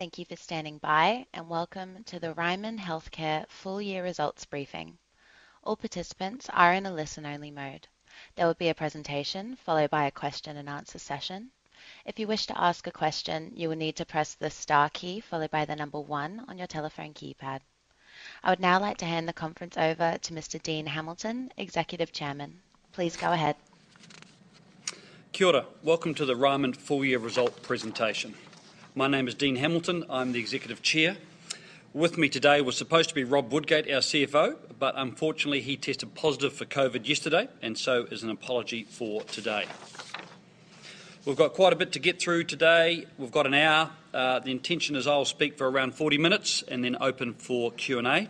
Thank you for standing by, and Welcome to the Ryman Healthcare Full Year Results Briefing. All participants are in a listen-only mode. There will be a presentation followed by a question and answer session. If you wish to ask a question, you will need to press the star key followed by the number one on your telephone keypad. I would now like to hand the conference over to Mr. Dean Hamilton, Executive Chairman. Please go ahead. Kia ora. Welcome to the Ryman full year result presentation. My name is Dean Hamilton. I'm the Executive Chair. With me today was supposed to be Rob Woodgate, our CFO, but unfortunately, he tested positive for COVID yesterday, and so is an apology for today. We've got quite a bit to get through today. We've got an hour. The intention is I'll speak for around 40 minutes and then open for Q&A.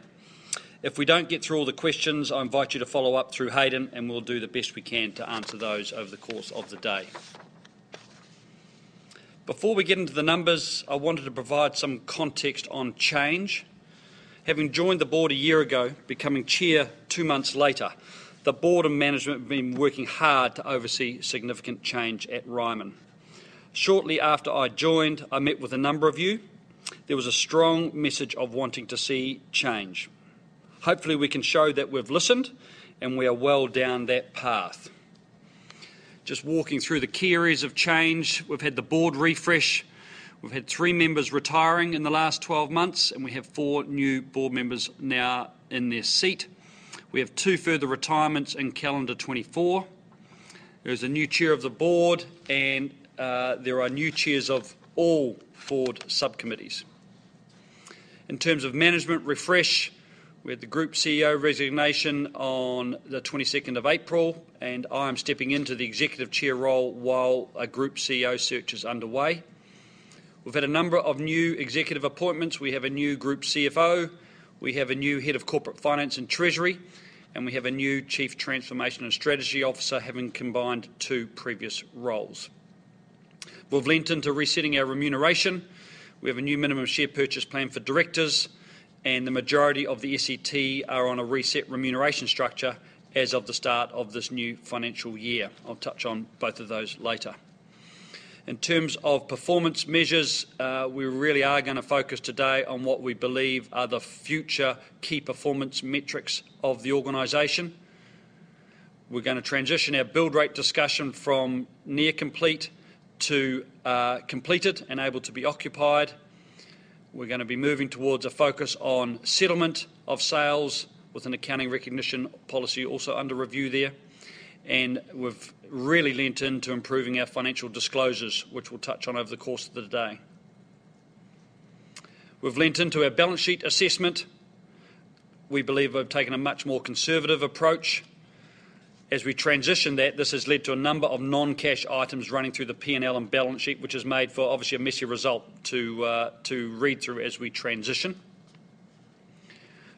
If we don't get through all the questions, I invite you to follow-up through Hayden, and we'll do the best we can to answer those over the course of the day. Before we get into the numbers, I wanted to provide some context on change. Having joined the board a year ago, becoming chair two months later, the board and management have been working hard to oversee significant change at Ryman. Shortly after I joined, I met with a number of you. There was a strong message of wanting to see change. Hopefully, we can show that we've listened, and we are well down that path. Just walking through the key areas of change, we've had the board refresh. We've had three members retiring in the last 12 months, and we have four new board members now in their seat. We have two further retirements in calendar 2024. There is a new chair of the board and there are new chairs of all board subcommittees. In terms of management refresh, we had the group CEO resignation on the 22 April 2024, and I am stepping into the executive chair role while a group CEO search is underway. We've had a number of new executive appointments. We have a new Group CFO, we have a new head of corporate finance and treasury, and we have a new Chief Transformation and Strategy Officer, having combined two previous roles. We've leaned into resetting our remuneration. We have a new minimum share purchase plan for directors, and the majority of the SET are on a reset remuneration structure as of the start of this new financial year. I'll touch on both of those later. In terms of performance measures, we really are gonna focus today on what we believe are the future key performance metrics of the organization. We're gonna transition our build rate discussion from near complete to completed and able to be occupied. We're gonna be moving towards a focus on settlement of sales with an accounting recognition policy also under review there, and we've really leaned into improving our financial disclosures, which we'll touch on over the course of the day. We've leaned into our balance sheet assessment. We believe we've taken a much more conservative approach. As we transition that, this has led to a number of non-cash items running through the P&L and balance sheet, which has made for obviously a messy result to to read through as we transition.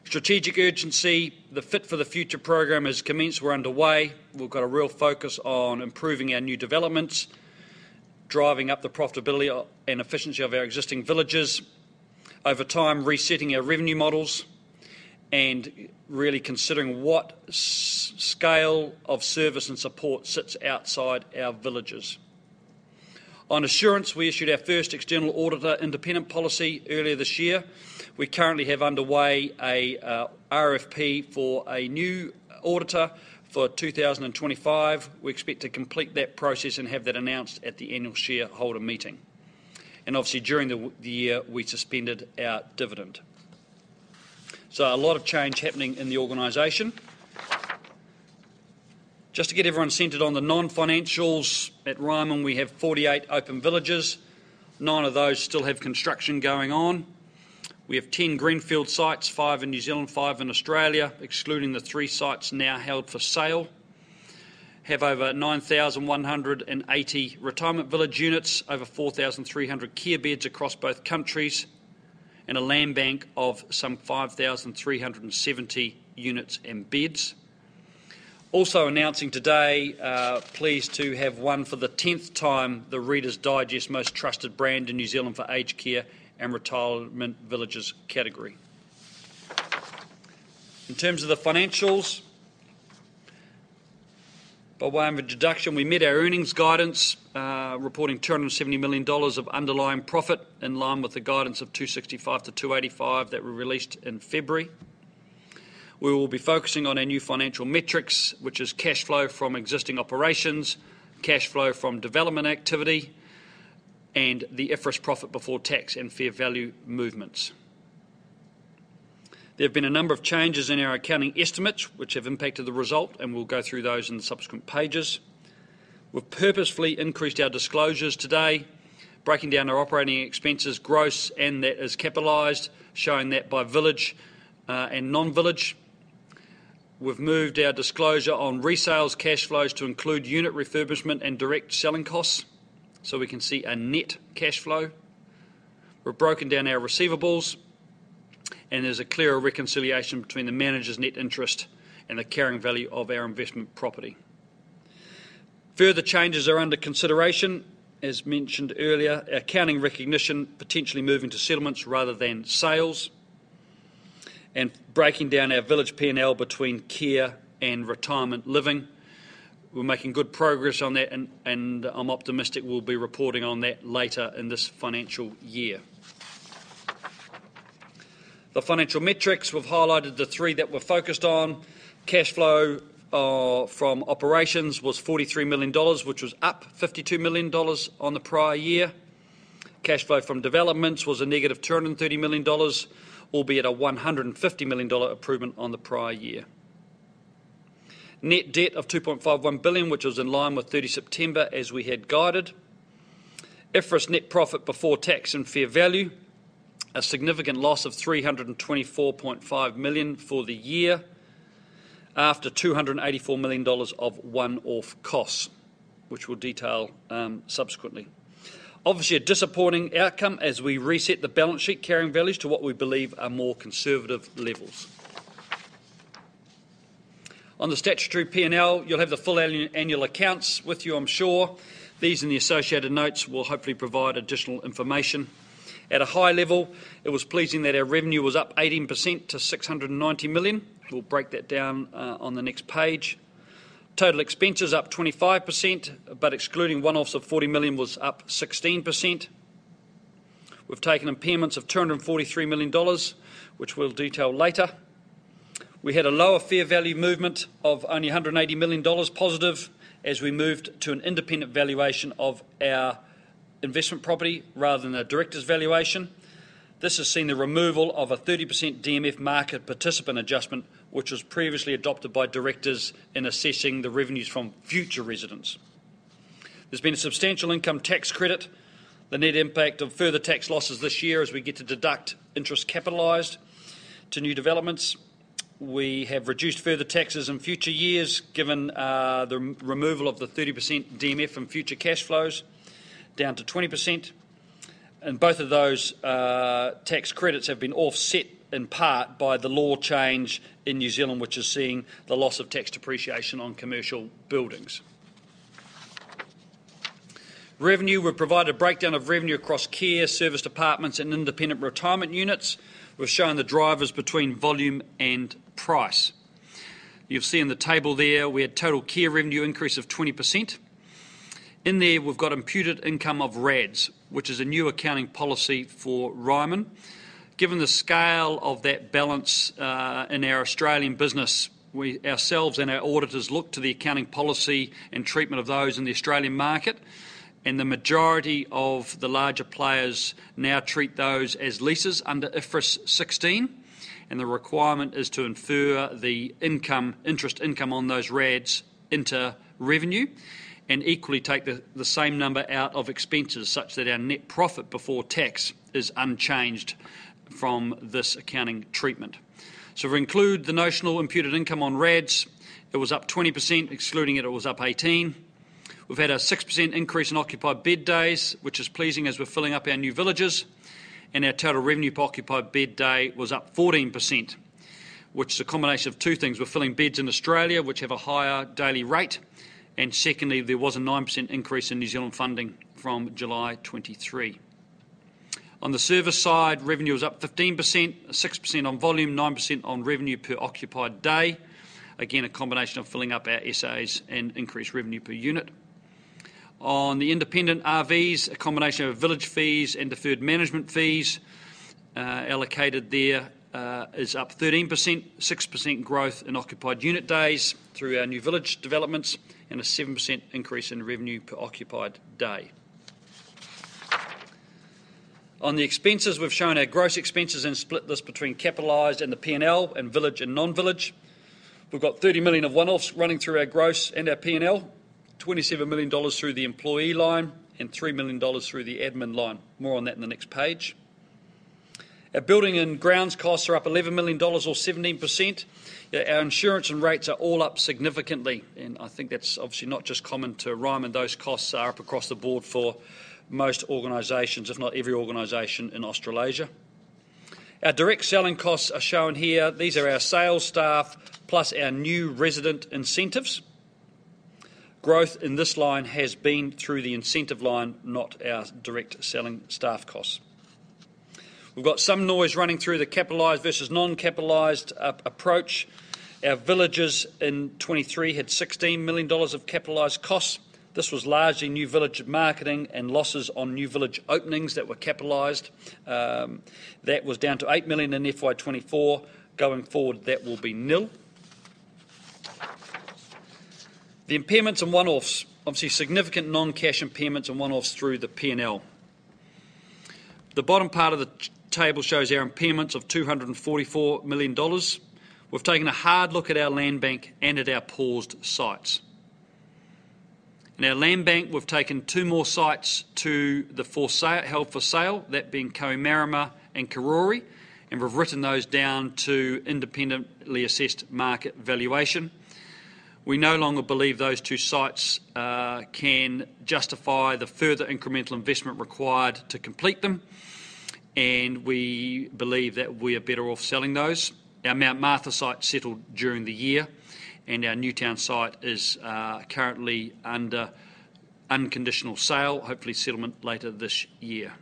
Strategic urgency, the Fit for the Future program has commenced. We're underway. We've got a real focus on improving our new developments, driving up the profitability and efficiency of our existing villages. Over time, resetting our revenue models and really considering what scale of service and support sits outside our villages. On assurance, we issued our first external auditor independent policy earlier this year. We currently have underway a RFP for a new auditor for 2025. We expect to complete that process and have that announced at the annual shareholder meeting, and obviously, during the year, we suspended our dividend. So a lot of change happening in the organization. Just to get everyone centered on the non-financials, at Ryman, we have 48 open villages. Nine of those still have construction going on. We have 10 greenfield sites, five in New Zealand, five in Australia, excluding the three sites now held for sale. Have over 9,180 retirement village units, over 4,300 care beds across both countries, and a land bank of some 5,370 units and beds. Also announcing today, pleased to have won for the 10th time, the Reader's Digest Most Trusted Brand in New Zealand for aged care and retirement villages category. In terms of the financials, by way of introduction, we met our earnings guidance, reporting 270 million dollars of underlying profit, in line with the guidance of 265 million-285 million that were released in February. We will be focusing on our new financial metrics, which is cash flow from existing operations, cash flow from development activity, and the IFRS profit before tax and fair value movements. There have been a number of changes in our accounting estimates, which have impacted the result, and we'll go through those in the subsequent pages. We've purposefully increased our disclosures today, breaking down our operating expenses gross, and that is capitalized, showing that by village, and non-village. We've moved our disclosure on resales cash flows to include unit refurbishment and direct selling costs, so we can see a net cash flow. We've broken down our receivables, and there's a clearer reconciliation between the manager's net interest and the carrying value of our investment property. Further changes are under consideration. As mentioned earlier, our accounting recognition potentially moving to settlements rather than sales, and breaking down our village P&L between care and retirement living. We're making good progress on that, and, and I'm optimistic we'll be reporting on that later in this financial year. The financial metrics, we've highlighted the three that we're focused on. Cash flow from operations was 43 million dollars, which was up 52 million dollars on the prior year. Cash flow from developments was a negative 230 million dollars, albeit a 150 million dollar improvement on the prior year. Net debt of 2.51 billion, which was in line with 30 September 2024, as we had guided. IFRS net profit before tax and fair value, a significant loss of 324.5 million for the year, after 284 million dollars of one-off costs, which we'll detail, subsequently. Obviously, a disappointing outcome as we reset the balance sheet carrying values to what we believe are more conservative levels. On the statutory P&L, you'll have the full annual accounts with you, I'm sure. These and the associated notes will hopefully provide additional information. At a high level, it was pleasing that our revenue was up 18% to 690 million. We'll break that down on the next page. Total expenses up 25%, but excluding one-offs of 40 million was up 16%. We've taken impairments of 243 million dollars, which we'll detail later. We had a lower fair value movement of only 180 million dollars positive, as we moved to an independent valuation of our investment property rather than a directors' valuation. This has seen the removal of a 30% DMF market participant adjustment, which was previously adopted by directors in assessing the revenues from future residents. There's been a substantial income tax credit, the net impact of further tax losses this year as we get to deduct interest capitalized to new developments. We have reduced further taxes in future years, given the removal of the 30% DMF from future cash flows down to 20%, and both of those tax credits have been offset in part by the law change in New Zealand, which is seeing the loss of tax depreciation on commercial buildings. Revenue, we've provided a breakdown of revenue across care, service apartments, and independent retirement units. We've shown the drivers between volume and price. You'll see in the table there, we had total care revenue increase of 20%. In there, we've got imputed income of RADs, which is a new accounting policy for Ryman. Given the scale of that balance in our Australian business, we ourselves and our auditors looked to the accounting policy and treatment of those in the Australian market, and the majority of the larger players now treat those as leases under IFRS 16, and the requirement is to infer the income, interest income on those RADs into revenue and equally take the same number out of expenses, such that our net profit before tax is unchanged from this accounting treatment. So if we include the notional imputed income on RADs, it was up 20%. Excluding it, it was up 18%. We've had a 6% increase in occupied bed days, which is pleasing as we're filling up our new villages, and our total revenue per occupied bed day was up 14%, which is a combination of two things: we're filling beds in Australia, which have a higher daily rate, and secondly, there was a 9% increase in New Zealand funding from July 2023. On the service side, revenue was up 15%, 6% on volume, 9% on revenue per occupied day. Again, a combination of filling up our SAs and increased revenue per unit. On the independent RVs, a combination of village fees and deferred management fees allocated there is up 13%, 6% growth in occupied unit days through our new village developments, and a 7% increase in revenue per occupied day. On the expenses, we've shown our gross expenses and split this between capitalized and the P&L, and village and non-village. We've got 30 million of one-offs running through our gross and our P&L, 27 million dollars through the employee line, and 3 million dollars through the admin line. More on that in the next page. Our building and grounds costs are up 11 million dollars or 17%. Yet our insurance and rates are all up significantly, and I think that's obviously not just common to Ryman. Those costs are up across the board for most organizations, if not every organization in Australasia. Our direct selling costs are shown here. These are our sales staff, plus our new resident incentives. Growth in this line has been through the incentive line, not our direct selling staff costs. We've got some noise running through the capitalized versus non-capitalized approach. Our villages in 2023 had NZD 16 million of capitalized costs. This was largely new village marketing and losses on new village openings that were capitalized. That was down to 8 million in FY 2024. Going forward, that will be nil. The impairments and one-offs, obviously significant non-cash impairments and one-offs through the P&L. The bottom part of the table shows our impairments of 244 million dollars. We've taken a hard look at our land bank and at our paused sites. In our land bank, we've taken two more sites to the for sale held for sale, that being Kohimarama and Karori, and we've written those down to independently assessed market valuation. We no longer believe those two sites can justify the further incremental investment required to complete them, and we believe that we are better off selling those. Our Mount Martha site settled during the year, and our Newtown site is currently under unconditional sale, hopefully settlement later this year.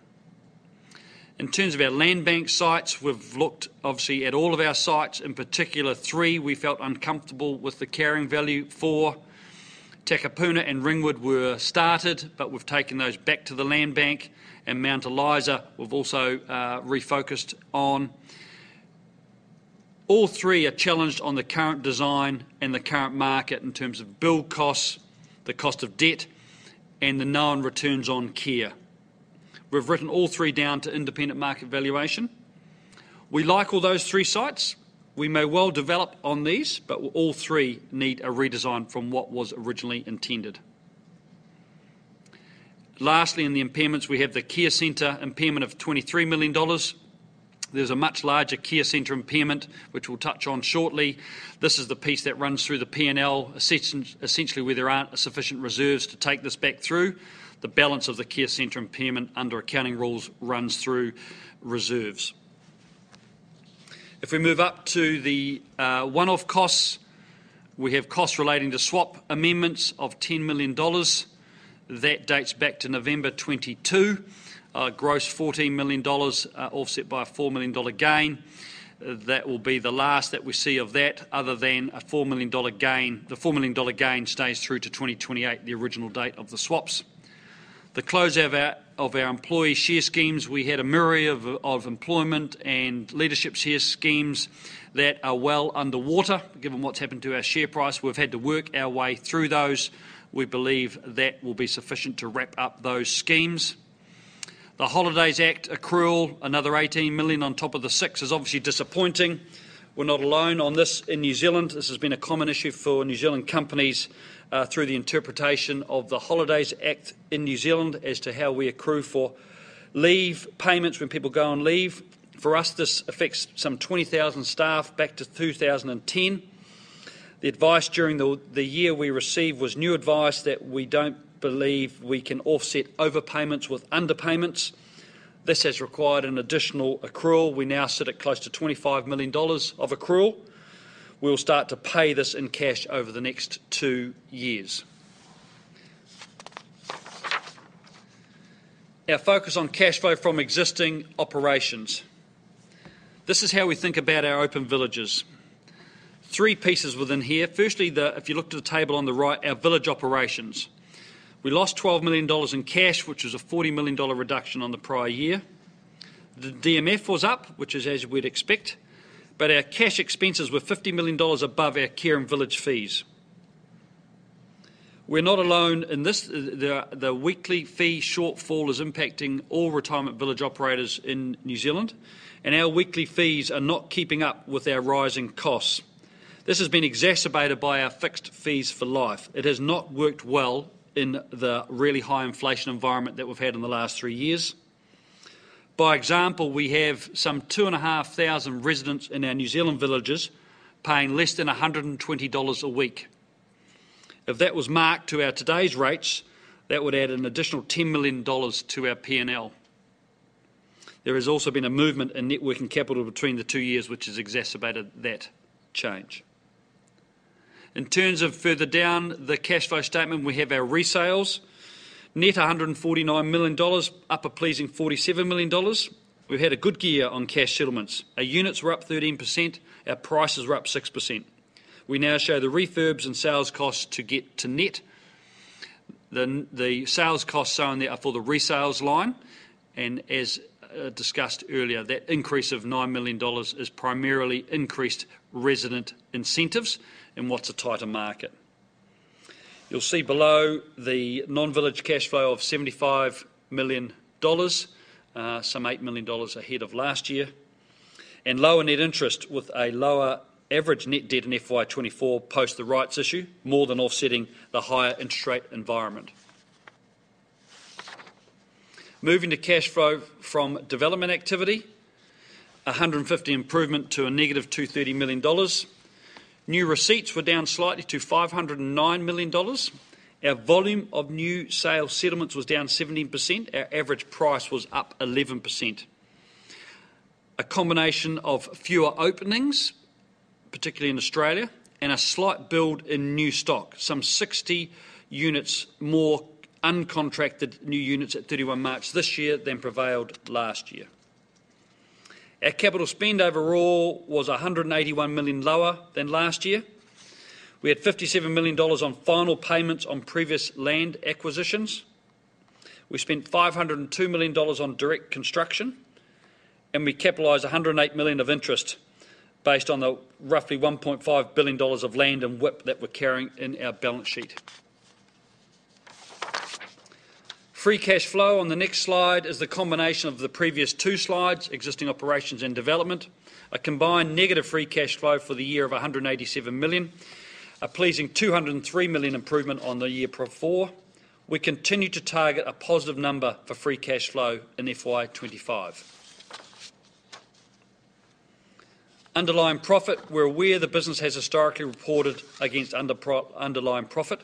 In terms of our land bank sites, we've looked obviously at all of our sites, in particular three we felt uncomfortable with the carrying value for. Takapuna and Ringwood were started, but we've taken those back to the land bank, and Mount Eliza, we've also refocused on. All three are challenged on the current design and the current market in terms of build costs, the cost of debt, and the known returns on care. We've written all three down to independent market valuation. We like all those three sites. We may well develop on these, but all three need a redesign from what was originally intended. Lastly, in the impairments, we have the care center impairment of 23 million dollars. There's a much larger care center impairment, which we'll touch on shortly. This is the piece that runs through the P&L, essentially, where there aren't sufficient reserves to take this back through. The balance of the care center impairment under accounting rules runs through reserves. If we move up to the one-off costs, we have costs relating to swap amendments of 10 million dollars. That dates back to November 2022. Gross 14 million dollars, offset by a 4 million dollar gain. That will be the last that we see of that, other than a 4 million dollar gain. The 4 million dollar gain stays through to 2028, the original date of the swaps. The close of our employee share schemes, we had a myriad of employment and leadership share schemes that are well underwater, given what's happened to our share price. We've had to work our way through those. We believe that will be sufficient to wrap up those schemes. The Holidays Act accrual, another 18 million on top of the NZ$6 million, is obviously disappointing. We're not alone on this in New Zealand. This has been a common issue for New Zealand companies through the interpretation of the Holidays Act in New Zealand as to how we accrue for leave payments when people go on leave. For us, this affects some 20,000 staff back to 2010. The advice during the year we received was new advice that we don't believe we can offset overpayments with underpayments. This has required an additional accrual. We now sit at close to 25 million dollars of accrual. We will start to pay this in cash over the next two years. Our focus on cash flow from existing operations. This is how we think about our open villages. Three pieces within here. Firstly, the... If you look to the table on the right, our village operations. We lost 12 million dollars in cash, which was a 40 million dollar reduction on the prior year. The DMF was up, which is as we'd expect, but our cash expenses were 50 million dollars above our care and village fees. We're not alone in this. The, the weekly fee shortfall is impacting all retirement village operators in New Zealand, and our weekly fees are not keeping up with our rising costs. This has been exacerbated by our fixed fees for life. It has not worked well in the really high inflation environment that we've had in the last three years. By example, we have some 2,500 residents in our New Zealand villages paying less than 120 dollars a week. If that was marked to our today's rates, that would add an additional 10 million dollars to our P&L. There has also been a movement in net working capital between the two years, which has exacerbated that change. In terms of further down the cash flow statement, we have our resales. Net, 149 million dollars, up a pleasing 47 million dollars. We've had a good year on cash settlements. Our units were up 13%, our prices were up 6%. We now show the refurbs and sales costs to get to net. The sales costs shown there are for the resales line, and as discussed earlier, that increase of 9 million dollars is primarily increased resident incentives in what's a tighter market. You'll see below the non-village cash flow of 75 million dollars, some 8 million dollars ahead of last year, and lower net interest, with a lower average net debt in FY 2024 post the rights issue, more than offsetting the higher interest rate environment. Moving to cash flow from development activity, a 150 million improvement to a negative 230 million dollars. New receipts were down slightly to 509 million dollars. Our volume of new sales settlements was down 17%, our average price was up 11%. A combination of fewer openings, particularly in Australia, and a slight build in new stock, some 60 units, more uncontracted new units at 31 March this year than prevailed last year. Our capital spend overall was 181 million lower than last year. We had 57 million dollars on final payments on previous land acquisitions. We spent 502 million dollars on direct construction, and we capitalized 108 million of interest based on the roughly 1.5 billion dollars of land and WIP that we're carrying in our balance sheet. Free cash flow on the next slide is the combination of the previous two slides, existing operations and development. A combined negative free cash flow for the year of 187 million, a pleasing 203 million improvement on the year before. We continue to target a positive number for free cash flow in FY 2025. Underlying profit. We're aware the business has historically reported against underlying profit,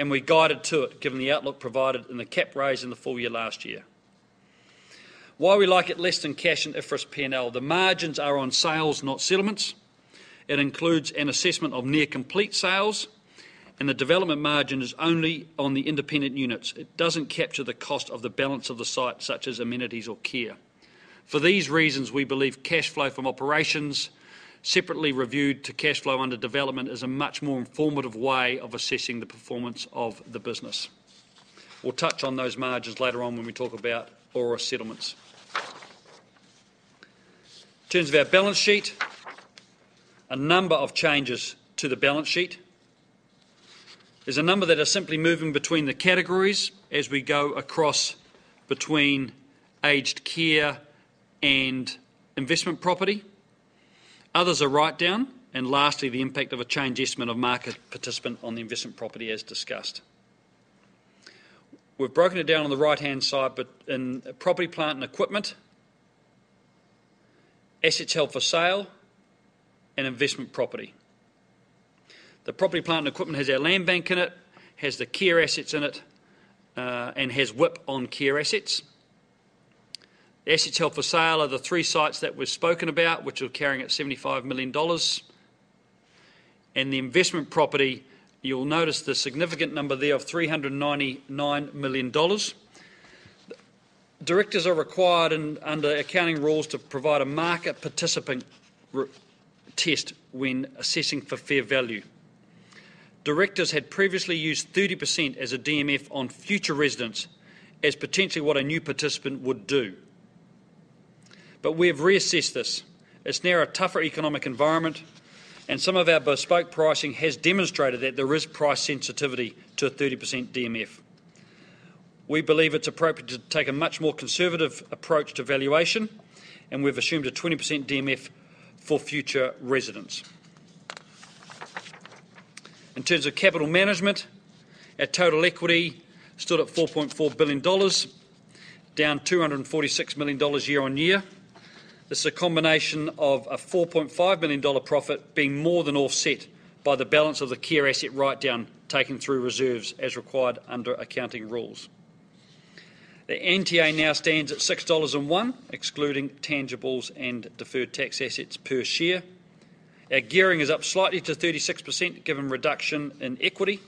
and we guided to it, given the outlook provided in the cap raise in the full year last year. Why we like it less than cash and IFRS P&L? The margins are on sales, not settlements. It includes an assessment of near complete sales, and the development margin is only on the independent units. It doesn't capture the cost of the balance of the site, such as amenities or care. For these reasons, we believe cash flow from operations, separately reviewed to cash flow under development, is a much more informative way of assessing the performance of the business. We'll touch on those margins later on when we talk about ORA settlements. In terms of our balance sheet, a number of changes to the balance sheet. There's a number that are simply moving between the categories as we go across between aged care and investment property. Others are write-down, and lastly, the impact of a change estimate of market participant on the investment property, as discussed. We've broken it down on the right-hand side, but in property, plant, and equipment, assets held for sale, and investment property. The property, plant, and equipment has our land bank in it, has the care assets in it, and has WIP on care assets. The assets held for sale are the three sites that we've spoken about, which we're carrying at 75 million dollars. And the investment property, you'll notice the significant number there of 399 million dollars. Directors are required, under accounting rules, to provide a market participant test when assessing for fair value. Directors had previously used 30% as a DMF on future residents as potentially what a new participant would do. But we have reassessed this. It's now a tougher economic environment, and some of our bespoke pricing has demonstrated that there is price sensitivity to a 30% DMF. We believe it's appropriate to take a much more conservative approach to valuation, and we've assumed a 20% DMF for future residents. In terms of capital management, our total equity stood at 4.4 billion dollars, down 246 million dollars year-on-year. This is a combination of a 4.5 million dollar profit being more than offset by the balance of the care asset write-down, taken through reserves as required under accounting rules. The NTA now stands at 6.01 dollars, excluding intangibles and deferred tax assets per share. Our gearing is up slightly to 36%, given reduction in equity.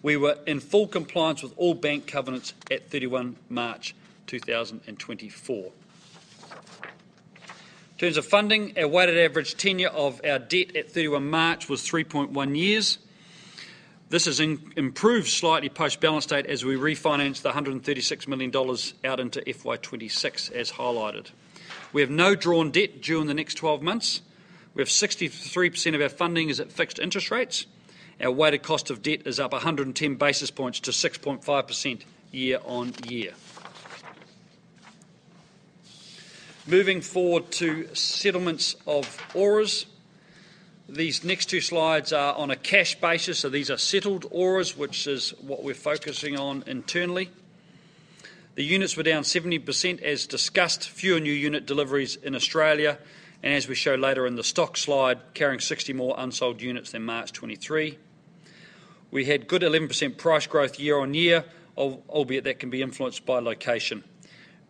We were in full compliance with all bank covenants at 31 March 2024. In terms of funding, our weighted average tenure of our debt at 31 March 2024 was 3.1 years. This has improved slightly post-balance date as we refinanced the 136 million dollars out into FY 2026, as highlighted. We have no drawn debt due in the next 12 months. We have 63% of our funding is at fixed interest rates. Our weighted cost of debt is up 110 basis points to 6.5% year-on-year. Moving forward to settlements of ORAs. These next two slides are on a cash basis, so these are settled ORAs, which is what we're focusing on internally. The units were down 70%, as discussed, fewer new unit deliveries in Australia, and as we show later in the stock slide, carrying 60 more unsold units than March 2023. We had good 11% price growth year-on-year, albeit that can be influenced by location.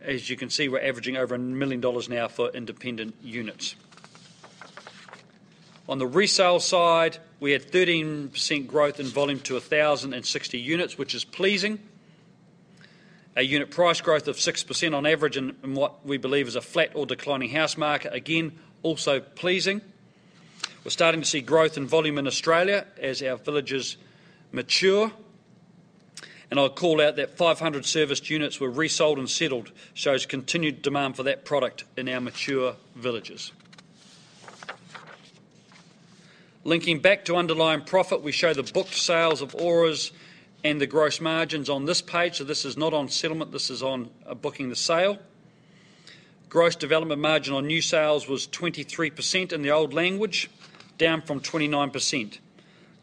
As you can see, we're averaging over 1 million dollars now for independent units. On the resale side, we had 13% growth in volume to 1,060 units, which is pleasing. A unit price growth of 6% on average in what we believe is a flat or declining house market, again, also pleasing. We're starting to see growth in volume in Australia as our villages mature, and I'll call out that 500 serviced units were resold and settled, shows continued demand for that product in our mature villages. Linking back to underlying profit, we show the booked sales of ORAs and the gross margins on this page. So this is not on settlement, this is on booking the sale. Gross development margin on new sales was 23% in the old language, down from 29%.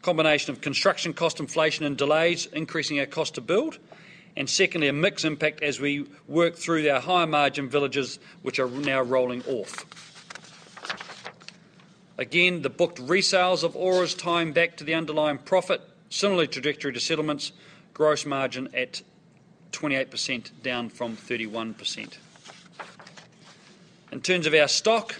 Combination of construction cost inflation and delays, increasing our cost to build, and secondly, a mixed impact as we work through our higher-margin villages, which are now rolling off. Again, the booked resales of ORAs tying back to the underlying profit, similar trajectory to settlements, gross margin at 28%, down from 31%. In terms of our stock,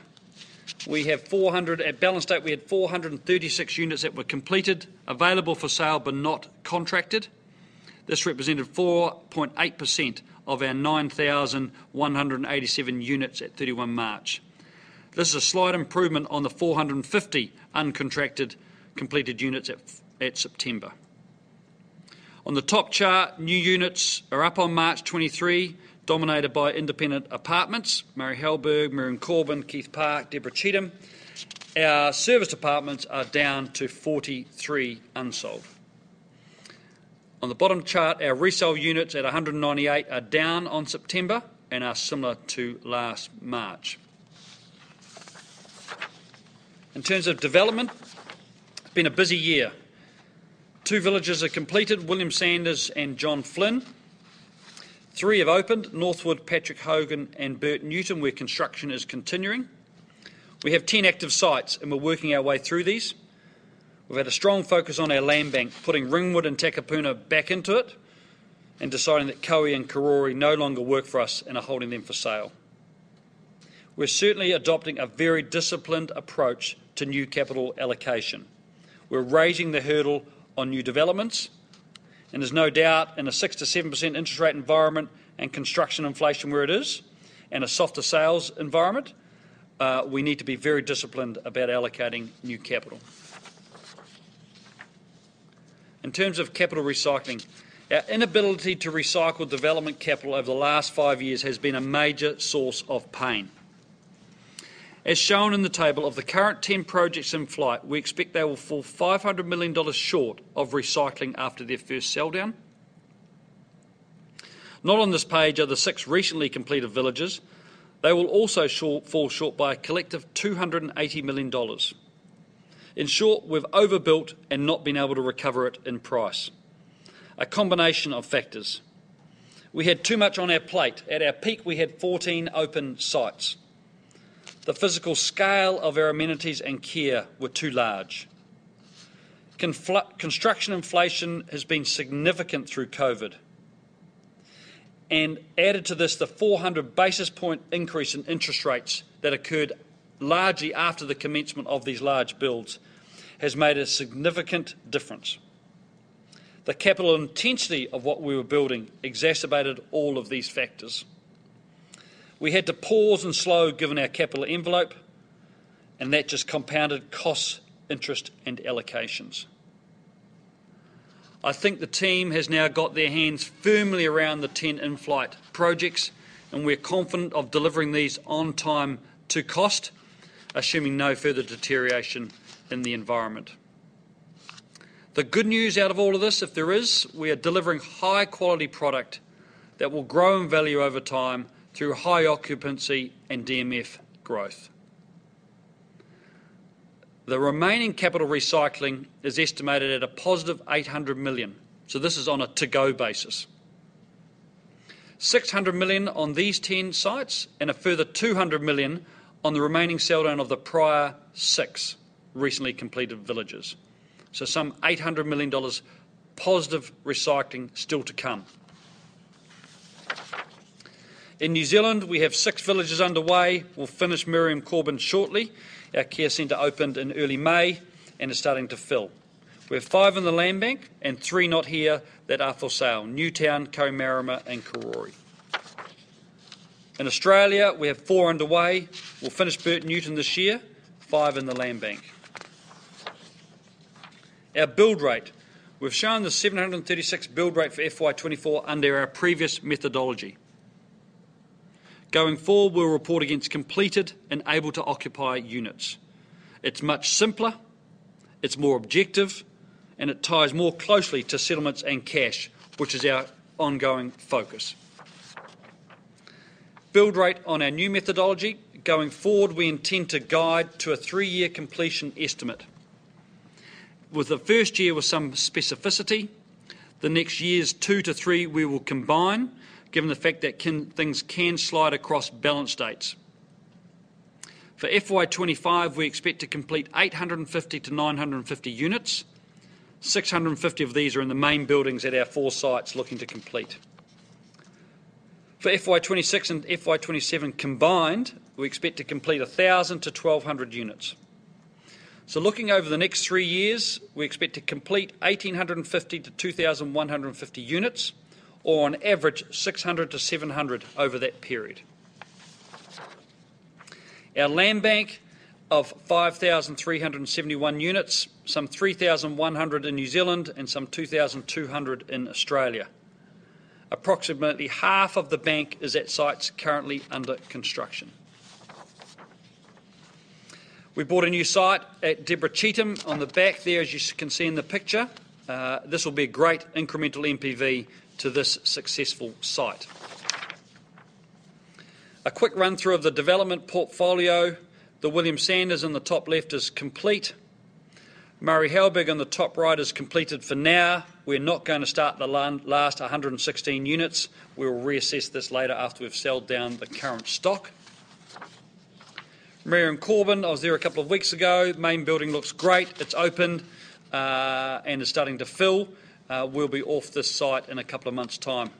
we have 400, at balance date, we had 436 units that were completed, available for sale, but not contracted. This represented 4.8% of our 9,187 units at 31 March 2024. This is a slight improvement on the 450 uncontracted, completed units at September. On the top chart, new units are up on March 2023, dominated by independent apartments, Murray Halberg, Miriam Corban, Keith Park, Deborah Cheatham. Our serviced apartments are down to 43 unsold. On the bottom chart, our resale units at 198 are down on September and are similar to last March. In terms of development, it's been a busy year. Two villages are completed, William Sanders and John Flynn. Three have opened, Northwood, Patrick Hogan, and Bert Newton, where construction is continuing. We have 10 active sites, and we're working our way through these. We've had a strong focus on our land bank, putting Ringwood and Takapuna back into it, and deciding that Kohimarama and Karori no longer work for us and are holding them for sale. We're certainly adopting a very disciplined approach to new capital allocation. We're raising the hurdle on new developments, and there's no doubt in a 6%-7% interest rate environment and construction inflation where it is, and a softer sales environment, we need to be very disciplined about allocating new capital. In terms of capital recycling, our inability to recycle development capital over the last five years has been a major source of pain. As shown in the table, of the current 10 projects in flight, we expect they will fall 500 million dollars short of recycling after their first sell down. Not on this page are the six recently completed villages. They will also fall short by a collective 280 million dollars. In short, we've overbuilt and not been able to recover it in price. A combination of factors: We had too much on our plate. At our peak, we had 14 open sites. The physical scale of our amenities and care were too large. Construction inflation has been significant through COVID, and added to this, the 400 basis point increase in interest rates that occurred largely after the commencement of these large builds, has made a significant difference. The capital intensity of what we were building exacerbated all of these factors. We had to pause and slow, given our capital envelope, and that just compounded costs, interest, and allocations. I think the team has now got their hands firmly around the 10 in-flight projects, and we're confident of delivering these on time to cost, assuming no further deterioration in the environment. The good news out of all of this, if there is, we are delivering high-quality product that will grow in value over time through high occupancy and DMF growth. The remaining capital recycling is estimated at a positive 800 million, so this is on a to-go basis. 600 million on these 10 sites and a further 200 million on the remaining sell down of the prior six recently completed villages. So some 800 million dollars positive recycling still to come. In New Zealand, we have 6 villages underway. We'll finish Miriam Corban shortly. Our care center opened in early May and is starting to fill. We have five in the land bank and three not here that are for sale; Newtown, Kohimarama, and Karori. In Australia, we have four underway. We'll finish Bert Newton this year, five in the land bank. Our build rate. We've shown the 736 build rate for FY 2024 under our previous methodology. Going forward, we'll report against completed and able-to-occupy units. It's much simpler, it's more objective, and it ties more closely to settlements and cash, which is our ongoing focus. Build rate on our new methodology. Going forward, we intend to guide to a three-year completion estimate, with the first year with some specificity. The next years, two to three years, we will combine, given the fact that things can slide across balance dates. For FY 2025, we expect to complete 850 units-950 units. 650 units of these are in the main buildings at our four sites looking to complete. For FY 2026 and FY 2027 combined, we expect to complete 1,000 units-1,200 units. So looking over the next three years, we expect to complete 1,850 units-2,150 units, or on average, 600 units-700 units over that period. Our land bank of 5,371 units, some 3,100 in New Zealand and some 2,200 units in Australia. Approximately half of the bank is at sites currently under construction. We bought a new site at Deborah Cheatham. On the back there, as you can see in the picture, this will be a great incremental NPV to this successful site. A quick run-through of the development portfolio. The William Sanders in the top left is complete. Murray Halberg in the top right is completed for now. We're not going to start the last 116 units. We will reassess this later after we've sold down the current stock. Miriam Corban, I was there a couple of weeks ago. Main building looks great. It's opened, and is starting to fill. We'll be off this site in a couple of months' time.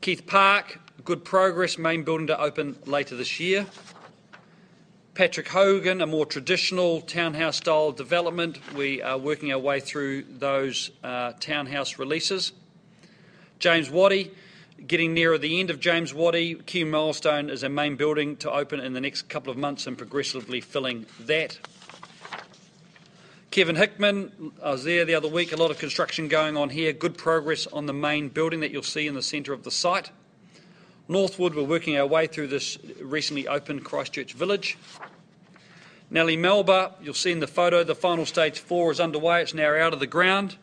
Keith Park, good progress, main building to open later this year. Patrick Hogan, a more traditional townhouse-style development. We are working our way through those, townhouse releases. James Wattie, getting nearer the end of James Wattie. Key milestone is a main building to open in the next couple of months and progressively filling that. Kevin Hickman, I was there the other week. A lot of construction going on here. Good progress on the main building that you'll see in the center of the site. Northwood, we're working our way through this recently opened Christchurch village. Nellie Melba, you'll see in the photo, the final Stage 4 is underway. It's now out of the ground.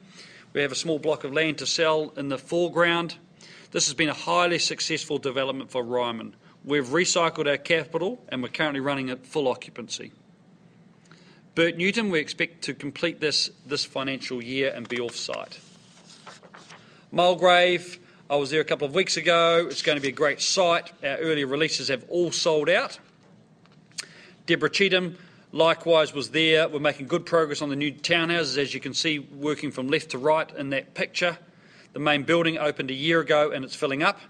We have a small block of land to sell in the foreground. This has been a highly successful development for Ryman. We've recycled our capital, and we're currently running at full occupancy. Bert Newton, we expect to complete this, this financial year and be off site. Mulgrave, I was there a couple of weeks ago. It's gonna be a great site. Our early releases have all sold out. Deborah Cheatham, likewise, was there. We're making good progress on the new townhouses, as you can see, working from left to right in that picture. The main building opened a year ago, and it's filling up.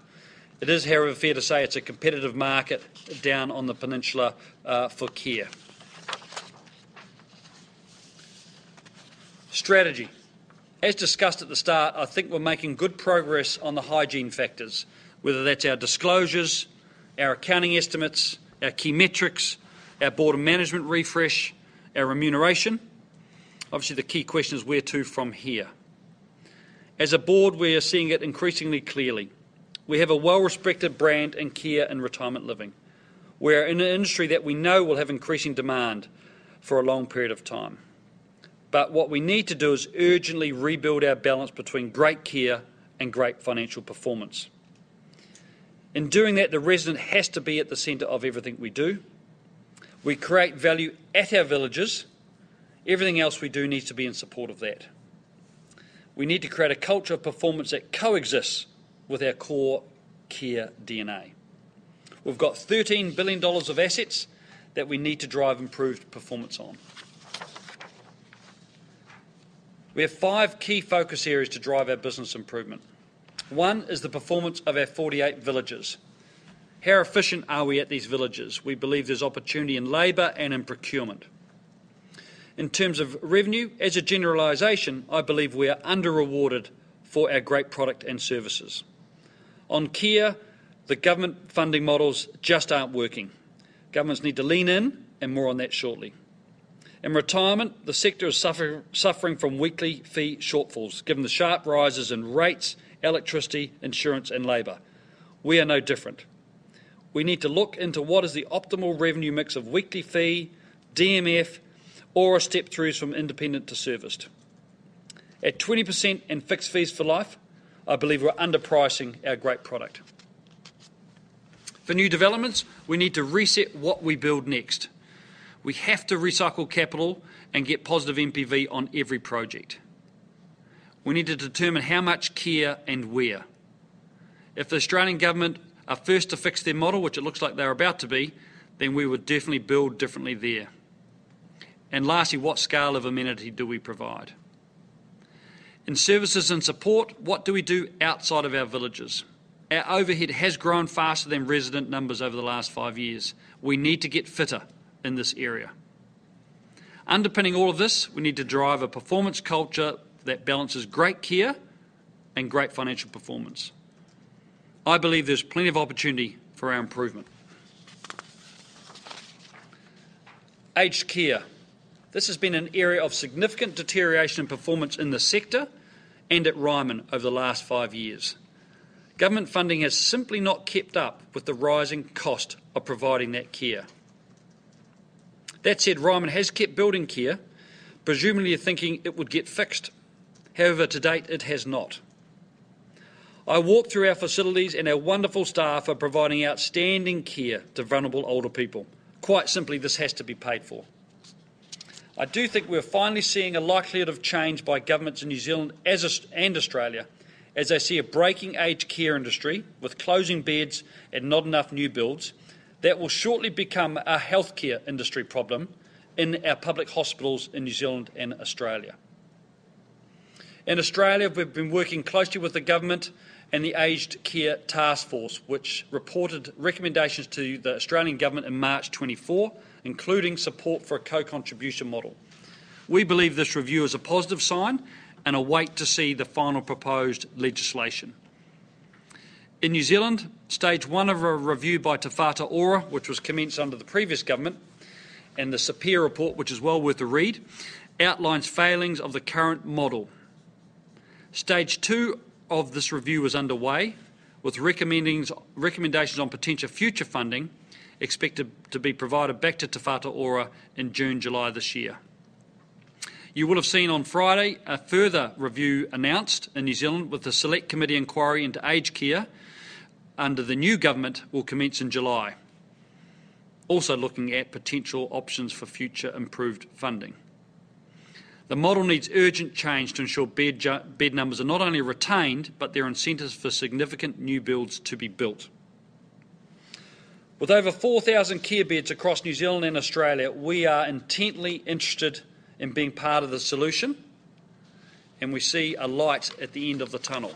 It is, however, fair to say it's a competitive market down on the peninsula for care. Strategy, as discussed at the start, I think we're making good progress on the hygiene factors, whether that's our disclosures, our accounting estimates, our key metrics, our board and management refresh, our remuneration. Obviously, the key question is: where to from here? As a board, we are seeing it increasingly clearly. We have a well-respected brand in care and retirement living. We're in an industry that we know will have increasing demand for a long period of time. But what we need to do is urgently rebuild our balance between great care and great financial performance. In doing that, the resident has to be at the center of everything we do. We create value at our villages. Everything else we do needs to be in support of that. We need to create a culture of performance that coexists with our core care DNA. We've got 13 billion dollars of assets that we need to drive improved performance on. We have five key focus areas to drive our business improvement. One is the performance of our 48 villages. How efficient are we at these villages? We believe there's opportunity in labor and in procurement. In terms of revenue, as a generalization, I believe we are under-rewarded for our great product and services. On care, the government funding models just aren't working. Governments need to lean in, and more on that shortly. In retirement, the sector is suffering from weekly fee shortfalls, given the sharp rises in rates, electricity, insurance, and labor. We are no different. We need to look into what is the optimal revenue mix of weekly fee, DMF, or a step through from independent to serviced. At 20% in fixed fees for life, I believe we're underpricing our great product. For new developments, we need to reset what we build next. We have to recycle capital and get positive NPV on every project. We need to determine how much care and where. If the Australian government are first to fix their model, which it looks like they're about to be, then we would definitely build differently there. And lastly, what scale of amenity do we provide? In services and support, what do we do outside of our villages? Our overhead has grown faster than resident numbers over the last five years. We need to get fitter in this area. Underpinning all of this, we need to drive a performance culture that balances great care and great financial performance. I believe there's plenty of opportunity for our improvement. Aged care. This has been an area of significant deterioration in performance in the sector and at Ryman over the last five years. Government funding has simply not kept up with the rising cost of providing that care. That said, Ryman has kept building care, presumably thinking it would get fixed. However, to date, it has not. I walk through our facilities, and our wonderful staff are providing outstanding care to vulnerable older people. Quite simply, this has to be paid for. I do think we're finally seeing a likelihood of change by governments in New Zealand and Australia, as they see a breaking aged care industry with closing beds and not enough new builds. That will shortly become a healthcare industry problem in our public hospitals in New Zealand and Australia. In Australia, we've been working closely with the government and the Aged Care Taskforce, which reported recommendations to the Australian government in March 2024, including support for a co-contribution model. We believe this review is a positive sign and are waiting to see the final proposed legislation. In New Zealand, stage one of a review by Te Whatu Ora, which was commenced under the previous government, and the Sapere report, which is well worth a read, outlines failings of the current model. Stage two of this review is underway, with recommendations on potential future funding expected to be provided back to Te Whatu Ora in June, July this year. You will have seen on Friday a further review announced in New Zealand, with the Select Committee inquiry into aged care under the new government will commence in July, also looking at potential options for future improved funding. The model needs urgent change to ensure bed numbers are not only retained, but there are incentives for significant new builds to be built. With over 4,000 care beds across New Zealand and Australia, we are intently interested in being part of the solution, and we see a light at the end of the tunnel.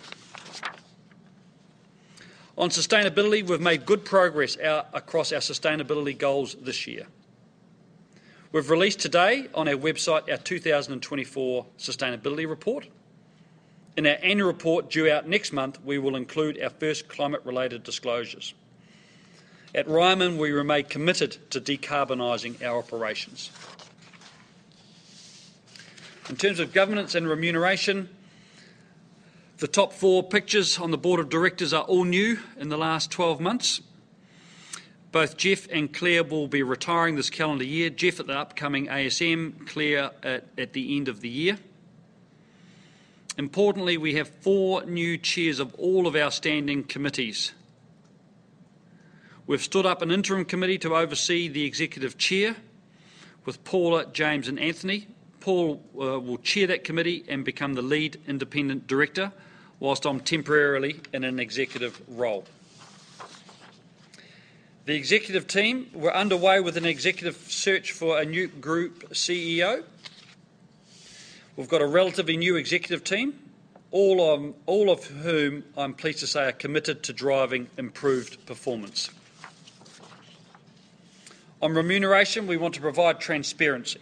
On sustainability, we've made good progress across our sustainability goals this year. We've released today on our website our 2024 sustainability report. In our annual report, due out next month, we will include our first climate-related disclosures. At Ryman, we remain committed to decarbonizing our operations. In terms of governance and remuneration, the top four positions on the board of directors are all new in the last 12 months. Both Jeff and Claire will be retiring this calendar year, Jeff at the upcoming ASM, Claire at the end of the year. Importantly, we have four new chairs of all of our standing committees. We've stood up an interim committee to oversee the executive chair with Paula, James, and Anthony. Paula will chair that committee and become the lead independent director, while I'm temporarily in an executive role. The executive team, we're underway with an executive search for a new group CEO. We've got a relatively new executive team, all of whom I'm pleased to say are committed to driving improved performance. On remuneration, we want to provide transparency.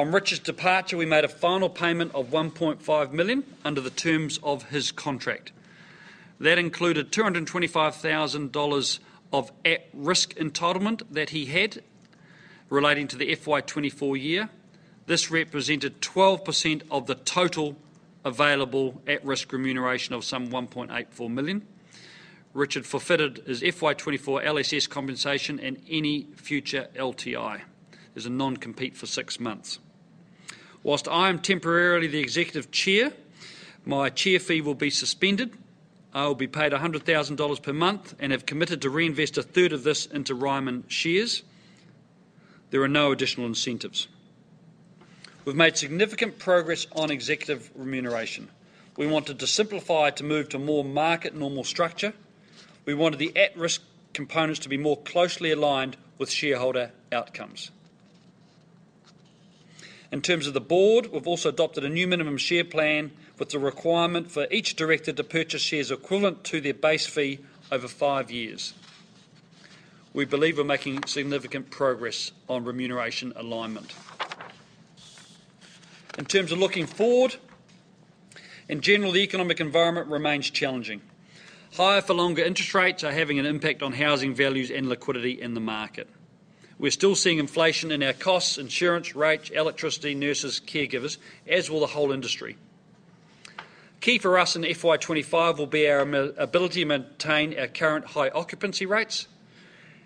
On Richard's departure, we made a final payment of 1.5 million under the terms of his contract. That included 225,000 dollars of at-risk entitlement that he had relating to the FY 2024 year. This represented 12% of the total available at-risk remuneration of some 1.84 million. Richard forfeited his FY 2024 LSS compensation and any future LTI. There's a non-compete for six months. While I am temporarily the executive chair, my chair fee will be suspended. I will be paid 100,000 dollars per month and have committed to reinvest a third of this into Ryman shares. There are no additional incentives. We've made significant progress on executive remuneration. We wanted to simplify to move to more market normal structure. We wanted the at-risk components to be more closely aligned with shareholder outcomes. In terms of the board, we've also adopted a new minimum share plan, with the requirement for each director to purchase shares equivalent to their base fee over five years. We believe we're making significant progress on remuneration alignment. In terms of looking forward, in general, the economic environment remains challenging. Higher-for-longer interest rates are having an impact on housing values and liquidity in the market. We're still seeing inflation in our costs, insurance, rates, electricity, nurses, caregivers, as will the whole industry. Key for us in FY 2025 will be our ability to maintain our current high occupancy rates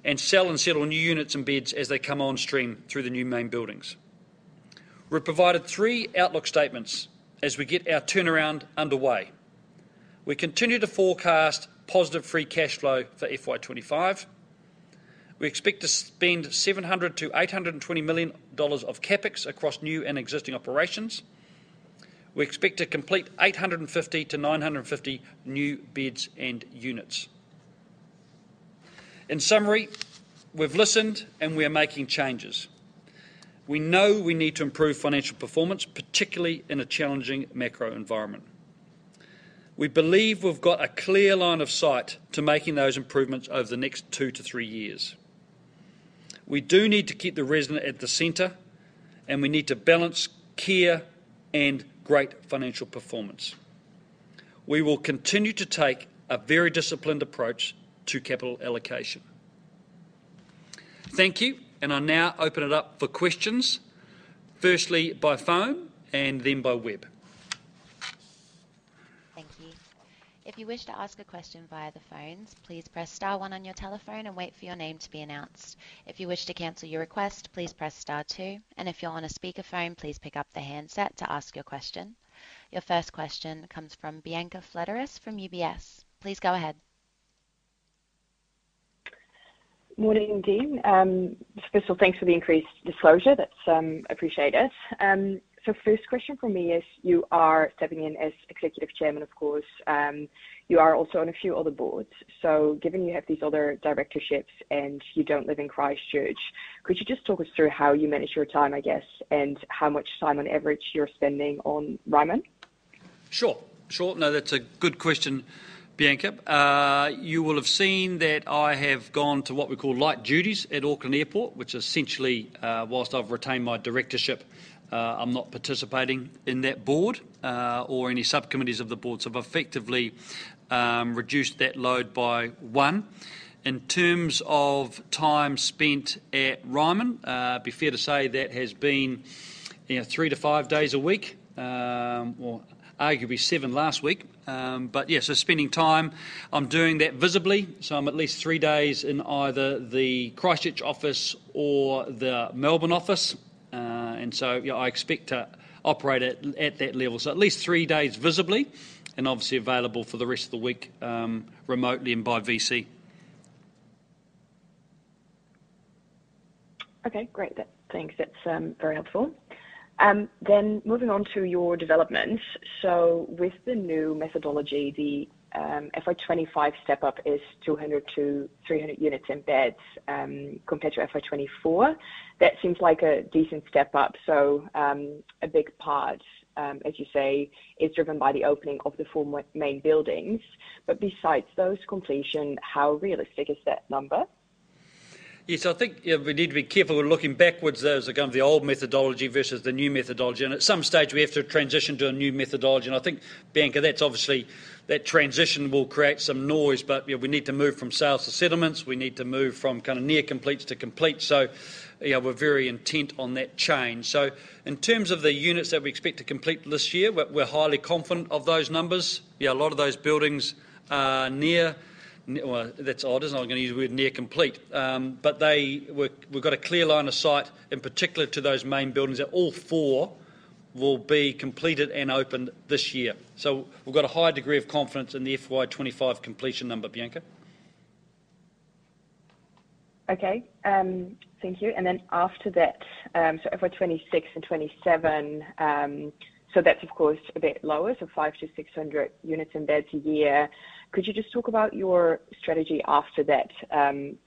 and sell and settle new units and beds as they come on stream through the new main buildings. We've provided three outlook statements as we get our turnaround underway. We continue to forecast positive free cash flow for FY 2025. We expect to spend 700-820 million dollars of CapEx across new and existing operations. We expect to complete 850-950 new beds and units. In summary, we've listened, and we are making changes. We know we need to improve financial performance, particularly in a challenging macro environment. We believe we've got a clear line of sight to making those improvements over the next two years to three years. We do need to keep the resident at the center, and we need to balance care and great financial performance. We will continue to take a very disciplined approach to capital allocation. Thank you, and I'll now open it up for questions, firstly by phone and then by web. Thank you. If you wish to ask a question via the phones, please press star one on your telephone and wait for your name to be announced. If you wish to cancel your request, please press star two, and if you're on a speakerphone, please pick up the handset to ask your question. Your first question comes from Bianca Fledderus from UBS. Please go ahead. Morning, Dean. First of all, thanks for the increased disclosure. That's appreciated. So first question from me is, you are stepping in as executive chairman, of course. You are also on a few other boards. So given you have these other directorships and you don't live in Christchurch, could you just talk us through how you manage your time, I guess, and how much time on average you're spending on Ryman? Sure. Sure. No, that's a good question, Bianca. You will have seen that I have gone to what we call light duties at Auckland Airport, which essentially, whilst I've retained my directorship, I'm not participating in that board, or any subcommittees of the board. So I've effectively, reduced that load by 1. In terms of time spent at Ryman, it'd be fair to say that has been, you know, three to five days a week, or arguably seven last week. But yeah, so spending time, I'm doing that visibly, so I'm at least three days in either the Christchurch office or the Melbourne office. And so, yeah, I expect to operate at, at that level. So at least three days visibly, and obviously available for the rest of the week, remotely and by VC. Okay, great. Thanks, that's very helpful. Then moving on to your developments. So with the new methodology, the FY 2025 step up is 200-300 units and beds, compared to FY 2024. That seems like a decent step up. So, a big part, as you say, is driven by the opening of the four main buildings. But besides those completion, how realistic is that number? Yes, I think, yeah, we need to be careful when looking backwards, though, as again, the old methodology versus the new methodology, and at some stage, we have to transition to a new methodology. And I think, Bianca, that's obviously, that transition will create some noise, but, you know, we need to move from sales to settlements. We need to move from kind of near completes to complete. So, you know, we're very intent on that change. So in terms of the units that we expect to complete this year, we're highly confident of those numbers. Yeah, a lot of those buildings are near, well, that's odd, I'm not going to use the word near complete. But they, we've got a clear line of sight, in particular to those main buildings. They're all four will be completed and opened this year. We've got a high degree of confidence in the FY 2025 completion number, Bianca. Okay, thank you. And then after that, so for 2026 and 2027, so that's of course a bit lower, so 500-600 units and beds a year. Could you just talk about your strategy after that?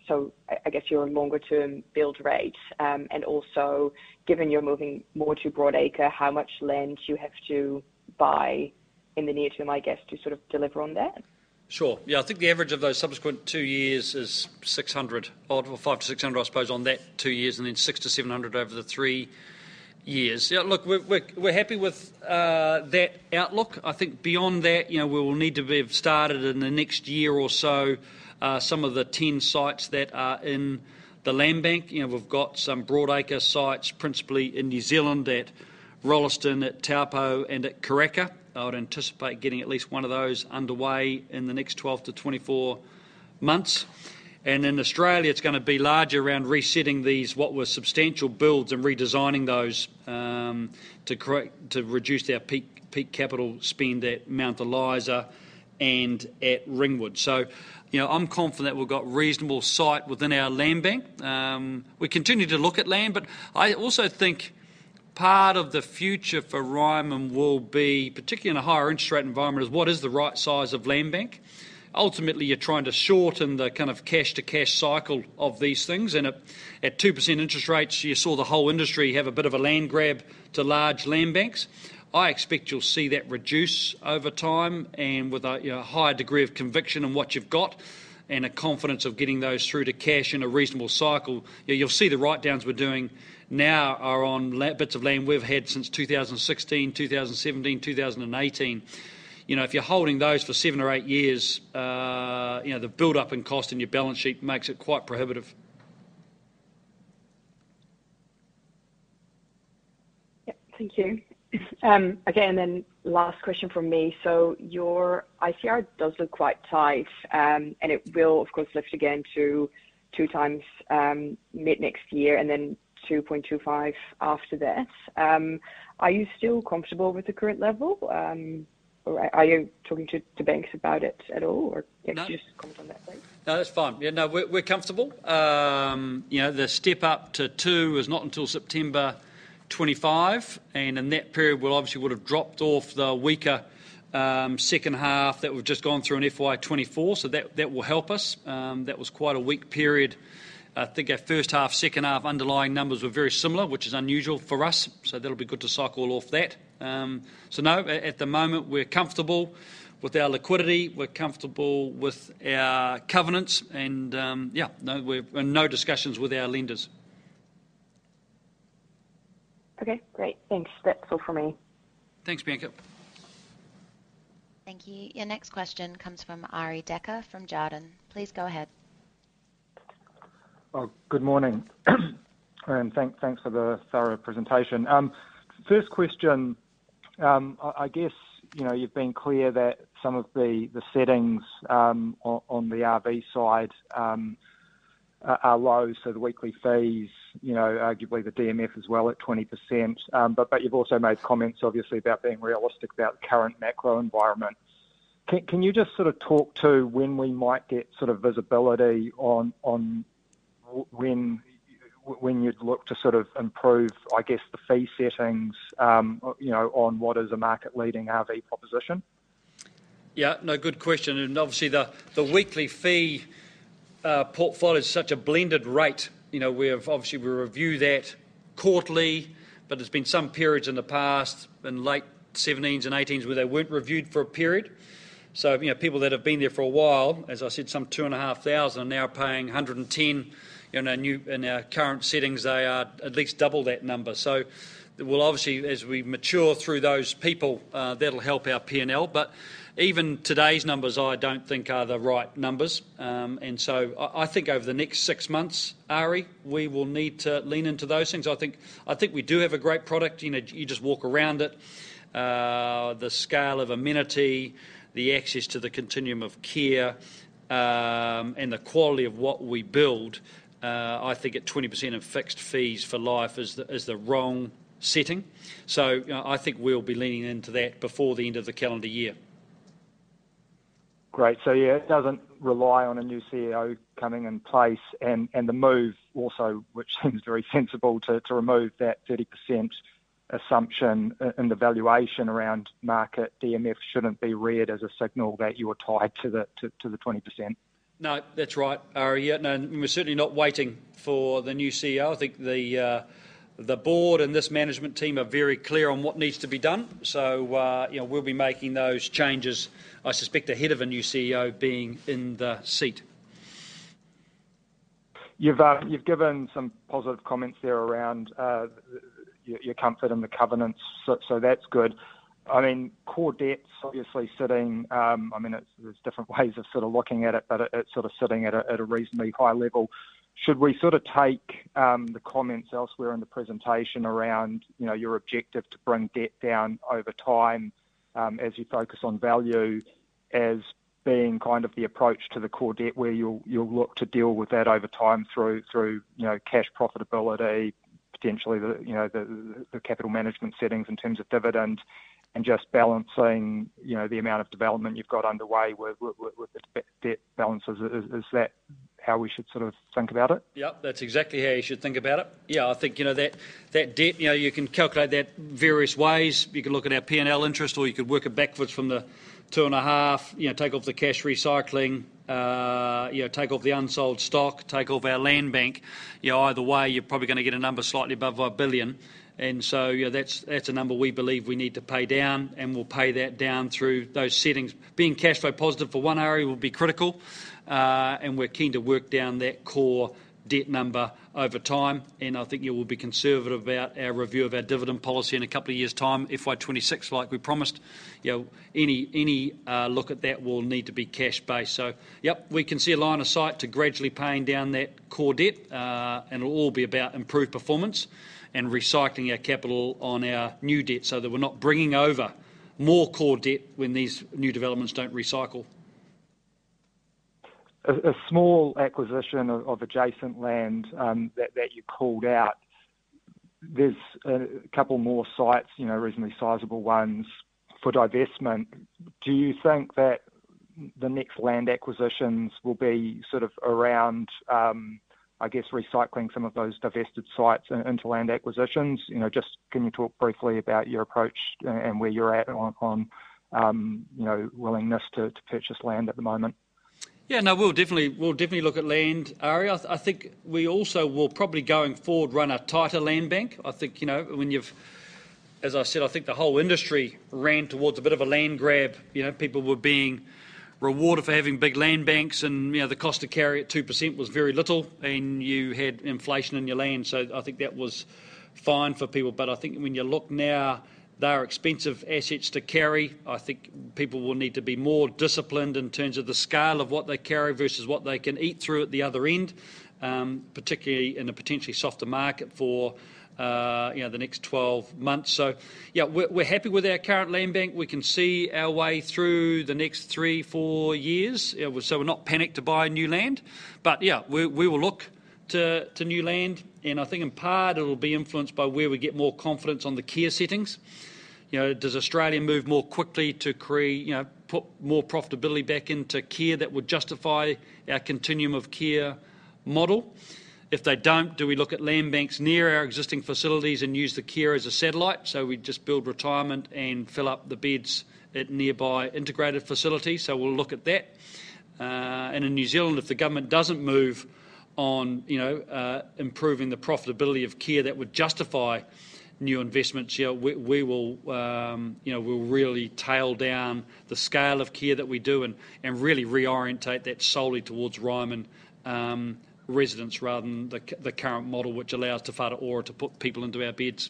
So I guess your longer term build rate, and also, given you're moving more to broadacre, how much land you have to buy in the near term, I guess, to sort of deliver on that? Sure. Yeah, I think the average of those subsequent two years is 600, or 500-600, I suppose, on that two years, and then 600-700 over the three years. Yeah, look, we're happy with that outlook. I think beyond that, you know, we will need to have started in the next year or so some of the 10 sites that are in the land bank. You know, we've got some broadacre sites, principally in New Zealand at Rolleston, at Taupō, and at Karaka. I would anticipate getting at least one of those underway in the next 12 months-24 months. And in Australia, it's going to be largely around resetting these, what were substantial builds, and redesigning those, to reduce our peak capital spend at Mount Eliza and at Ringwood. So, you know, I'm confident we've got reasonable sight within our land bank. We continue to look at land, but I also think part of the future for Ryman will be, particularly in a higher interest rate environment, is what is the right size of land bank? Ultimately, you're trying to shorten the kind of cash-to-cash cycle of these things, and at two percent interest rates, you saw the whole industry have a bit of a land grab to large land banks. I expect you'll see that reduce over time and with a, you know, higher degree of conviction in what you've got and a confidence of getting those through to cash in a reasonable cycle. You'll see the write-downs we're doing now are on bits of land we've had since 2016, 2017, 2018. You know, if you're holding those for seven or eight years, you know, the buildup in cost in your balance sheet makes it quite prohibitive. Yeah. Thank you. Okay, and then last question from me. So your ICR does look quite tight, and it will, of course, lift again to two times mid-next year and then 2.25x after that. Are you still comfortable with the current level, or are you talking to banks about it at all, or just comment on that, please? No, that's fine. Yeah, no, we're comfortable. You know, the step up to two is not until September 2025, and in that period, we'll obviously would have dropped off the weaker second half that we've just gone through in FY 2024, so that will help us. That was quite a weak period. I think our first half, second half underlying numbers were very similar, which is unusual for us, so that'll be good to cycle off that. So no, at the moment, we're comfortable with our liquidity, we're comfortable with our covenants, and yeah, no, no discussions with our lenders. Okay, great. Thanks. That's all for me. Thanks, Bianca. Thank you. Your next question comes from Arie Dekker from Jarden. Please go ahead. Well, good morning, and thanks for the thorough presentation. First question, I guess, you know, you've been clear that some of the settings on the RV side are low, so the weekly fees, you know, arguably the DMF as well at 20%. But you've also made comments, obviously, about being realistic about the current macro environment. Can you just sort of talk to when we might get sort of visibility on when you'd look to sort of improve, I guess, the fee settings, you know, on what is a market-leading RV proposition? Yeah, no, good question, and obviously, the weekly fee portfolio is such a blended rate. You know, we have, obviously, we review that quarterly, but there's been some periods in the past, in late 2017s and 2018s, where they weren't reviewed for a period. So, you know, people that have been there for a while, as I said, some 2,500, are now paying 110. In our new, in our current settings, they are at least double that number. So we'll obviously, as we mature through those people, that'll help our P&L. But even today's numbers, I don't think are the right numbers, and so I think over the next six months, Arie, we will need to lean into those things. I think, I think we do have a great product. You know, you just walk around it. The scale of amenity, the access to the continuum of care, and the quality of what we build, I think at 20% in fixed fees for life is the, is the wrong setting. So, you know, I think we'll be leaning into that before the end of the calendar year. Great. So yeah, it doesn't rely on a new CEO coming in place, and the move also, which seems very sensible, to remove that 30% assumption in the valuation around market DMF shouldn't be read as a signal that you are tied to the 20%. No, that's right, Arie. Yeah, no, we're certainly not waiting for the new CEO. I think the board and this management team are very clear on what needs to be done, so, you know, we'll be making those changes, I suspect, ahead of a new CEO being in the seat. You've, you've given some positive comments there around, your comfort in the covenants, so that's good. I mean, core debt's obviously sitting. I mean, there's different ways of sort of looking at it, but it's sort of sitting at a reasonably high level. Should we sort of take the comments elsewhere in the presentation around, you know, your objective to bring debt down over time, as you focus on value, as being kind of the approach to the core debt, where you'll look to deal with that over time through, you know, cash profitability, potentially, the, you know, the capital management settings in terms of dividend and just balancing, you know, the amount of development you've got underway with the debt balances. Is that how we should sort of think about it? Yep, that's exactly how you should think about it. Yeah, I think you know that, that debt, you know, you can calculate that various ways. You can look at our P&L interest, or you could work it backwards from the 2.5. You know, take off the cash recycling, you know, take off the unsold stock, take off our land bank. You know, either way, you're probably gonna get a number slightly above 1 billion, and so, you know, that's, that's a number we believe we need to pay down, and we'll pay that down through those settings. Being cash flow positive for one area will be critical, and we're keen to work down that core debt number over time, and I think we will be conservative about our review of our dividend policy in a couple of years' time, FY 2026, like we promised. You know, any look at that will need to be cash-based. So yep, we can see a line of sight to gradually paying down that core debt, and it'll all be about improved performance and recycling our capital on our new debt, so that we're not bringing over more core debt when these new developments don't recycle. A small acquisition of adjacent land that you called out, there's a couple more sites, you know, reasonably sizable ones, for divestment. Do you think that the next land acquisitions will be sort of around, I guess, recycling some of those divested sites into land acquisitions? You know, just can you talk briefly about your approach and where you're at on, you know, willingness to purchase land at the moment? Yeah, no, we'll definitely, we'll definitely look at land, Arie. I think we also will probably going forward run a tighter land bank. I think, you know, when you've, as I said, I think the whole industry ran towards a bit of a land grab. You know, people were being rewarded for having big land banks, and, you know, the cost to carry it at 2% was very little, and you had inflation in your land. So I think that was fine for people, but I think when you look now, they are expensive assets to carry. I think people will need to be more disciplined in terms of the scale of what they carry versus what they can eat through at the other end, particularly in a potentially softer market for, you know, the next 12 months. So yeah, we're happy with our current land bank. We can see our way through the next three years, four years. So we're not panicked to buy new land. But yeah, we will look to new land, and I think in part it'll be influenced by where we get more confidence on the care settings. You know, does Australia move more quickly to create, you know, put more profitability back into care that would justify our continuum of care model? If they don't, do we look at land banks near our existing facilities and use the care as a satellite? So we just build retirement and fill up the beds at nearby integrated facilities, so we'll look at that. And in New Zealand, if the government doesn't move on, you know, improving the profitability of care that would justify new investments, yeah, we will, you know, we'll really tail down the scale of care that we do and really reorientate that solely towards Ryman residents, rather than the current model, which allows Te Whatu Ora to put people into our beds.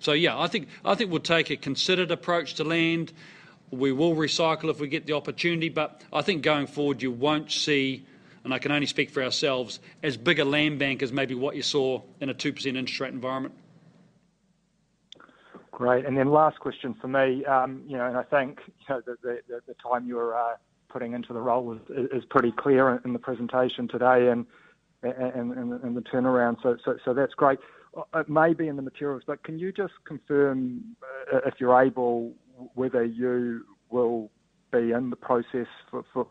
So yeah, I think we'll take a considered approach to land. We will recycle if we get the opportunity, but I think going forward, you won't see, and I can only speak for ourselves, as big a land bank as maybe what you saw in a 2% interest rate environment. Great, and then last question from me. You know, and I think, you know, the time you're putting into the role is pretty clear in the presentation today and the turnaround, so that's great. It may be in the materials, but can you just confirm, if you're able, whether you will be in the process for, for-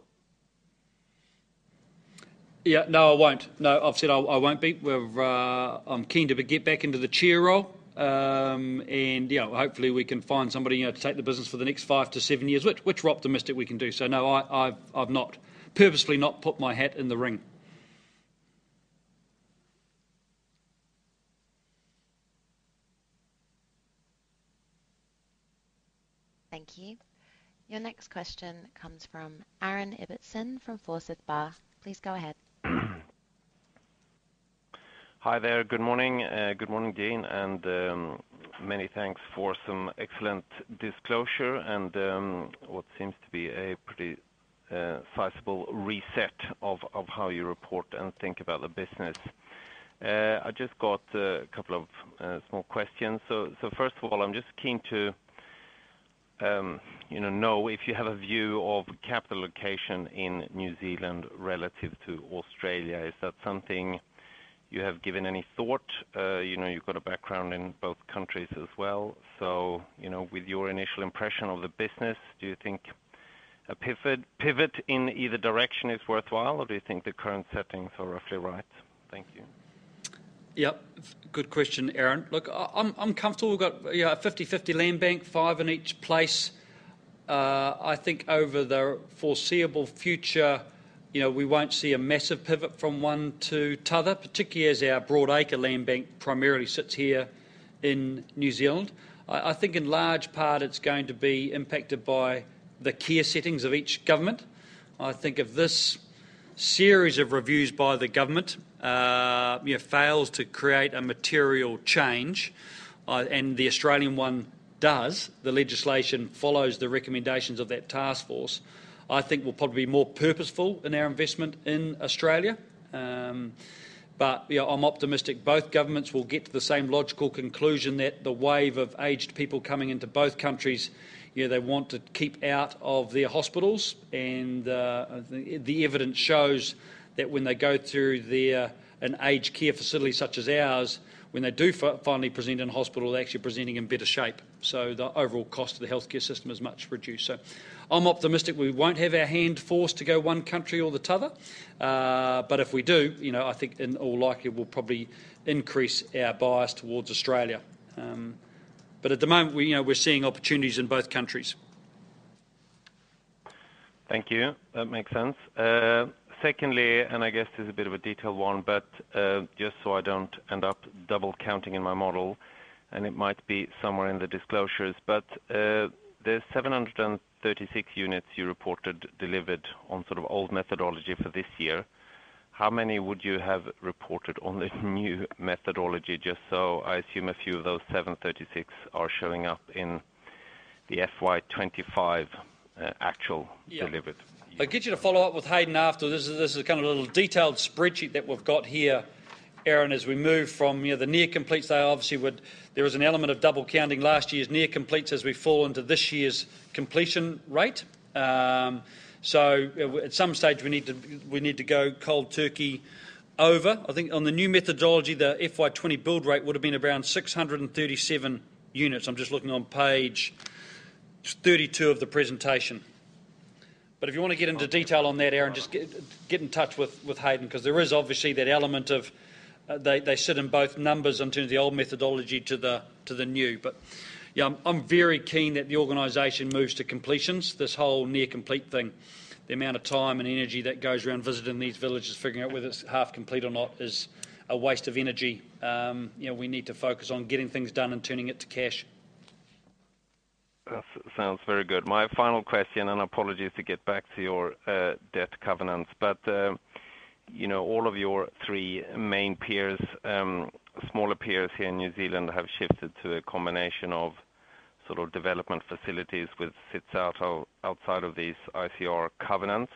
Yeah, no, I won't. No, I've said I won't be. I'm keen to get back into the chair role, and yeah, hopefully, we can find somebody, you know, to take the business for the next five to seven years, which we're optimistic we can do. So no, I've purposely not put my hat in the ring. Thank you. Your next question comes from Aaron Ibbotson, from Forsyth Barr. Please go ahead. Hi there. Good morning. Good morning, again, and many thanks for some excellent disclosure and what seems to be a pretty sizable reset of how you report and think about the business. I just got a couple of small questions. So first of all, I'm just keen to you know know if you have a view of capital allocation in New Zealand relative to Australia. Is that something you have given any thought? You know, you've got a background in both countries as well, so you know, with your initial impression of the business, do you think a pivot in either direction is worthwhile, or do you think the current settings are roughly right? Thank you. Yep. Good question, Aaron. Look, I'm comfortable we've got, yeah, a 50/50 land bank, five in each place. I think over the foreseeable future, you know, we won't see a massive pivot from one to t'other, particularly as our broad acre land bank primarily sits here in New Zealand. I think in large part it's going to be impacted by the care settings of each government. I think if this series of reviews by the government, you know, fails to create a material change, and the Australian one does, the legislation follows the recommendations of that task force, I think we'll probably be more purposeful in our investment in Australia. But, yeah, I'm optimistic both governments will get to the same logical conclusion, that the wave of aged people coming into both countries, you know, they want to keep out of their hospitals. The evidence shows that when they go through an aged care facility such as ours, when they do finally present in hospital, they're actually presenting in better shape. So the overall cost to the healthcare system is much reduced. So I'm optimistic we won't have our hand forced to go one country or the other. But if we do, you know, I think in all likelihood, we'll probably increase our bias towards Australia. But at the moment, we, you know, we're seeing opportunities in both countries. Thank you. That makes sense. Secondly, and I guess this is a bit of a detailed one, but, just so I don't end up double counting in my model, and it might be somewhere in the disclosures, but, the 736 units you reported delivered on sort of old methodology for this year, how many would you have reported on the new methodology? Just so I assume a few of those 736 are showing up in the FY 2025 actual delivered. Yeah. I'll get you to follow-up with Hayden after. This is, this is kind of a little detailed spreadsheet that we've got here, Aaron, as we move from, you know, the near completes, they obviously would, there was an element of double counting last year's near completes as we fall into this year's completion rate. So at some stage, we need to, we need to go cold turkey over. I think on the new methodology, the FY 2020 build rate would have been around 637 units. I'm just looking on page 32 of the presentation. But if you want to get into detail on that, Aaron, just get, get in touch with, with Hayden, because there is obviously that element of, they, they sit in both numbers in terms of the old methodology to the, to the new. Yeah, I'm very keen that the organization moves to completions. This whole near complete thing, the amount of time and energy that goes around visiting these villages, figuring out whether it's half complete or not, is a waste of energy. You know, we need to focus on getting things done and turning it to cash. That sounds very good. My final question, and apologies to get back to your debt covenants, but you know, all of your three main peers, smaller peers here in New Zealand, have shifted to a combination of sort of development facilities, which sits outside of these ICR covenants.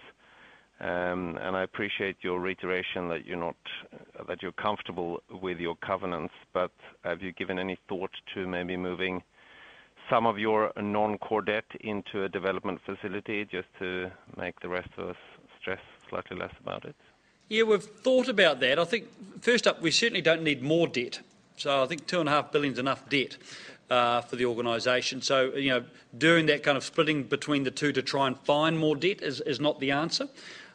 And I appreciate your reiteration that you're comfortable with your covenants, but have you given any thought to maybe moving some of your non-core debt into a development facility just to make the rest of us stress slightly less about it? Yeah, we've thought about that. I think, first up, we certainly don't need more debt. So I think 2.5 billion is enough debt for the organization. So, you know, doing that kind of splitting between the two to try and find more debt is, is not the answer.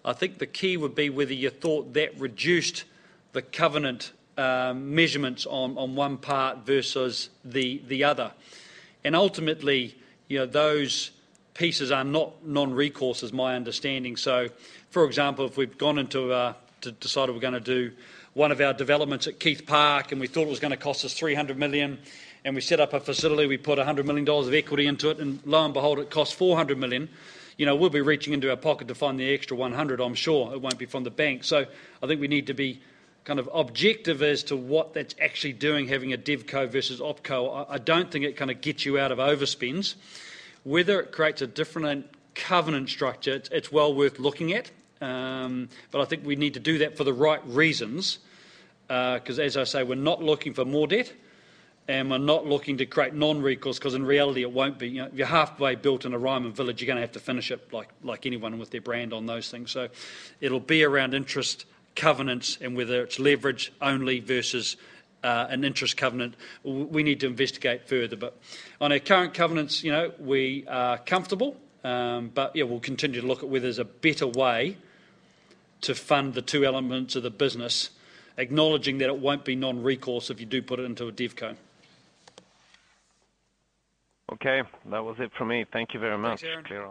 I think the key would be whether you thought that reduced the covenant measurements on, on one part versus the, the other. And ultimately, you know, those pieces are not non-recourse, is my understanding. So, for example, if we've gone into to decide that we're gonna do one of our developments at Keith Park, and we thought it was gonna cost us NZD 300 million, and we set up a facility, we put 100 million dollars of equity into it, and lo and behold, it costs 400 million, you know, we'll be reaching into our pocket to find the extra one hundred, I'm sure. It won't be from the bank. So I think we need to be kind of objective as to what that's actually doing, having a dev co versus op co. I don't think it kind of gets you out of overspends. Whether it creates a different covenant structure, it's well worth looking at. But I think we need to do that for the right reasons, 'cause as I say, we're not looking for more debt, and we're not looking to create non-recourse, 'cause in reality, it won't be. You know, if you're halfway built in a Ryman village, you're gonna have to finish it like anyone with their brand on those things. So it'll be around interest, covenants, and whether it's leverage only versus an interest covenant. We need to investigate further, but on our current covenants, you know, we are comfortable. But yeah, we'll continue to look at where there's a better way to fund the two elements of the business, acknowledging that it won't be non-recourse if you do put it into a dev co. Okay, that was it for me. Thank you very much. Thanks, Aaron.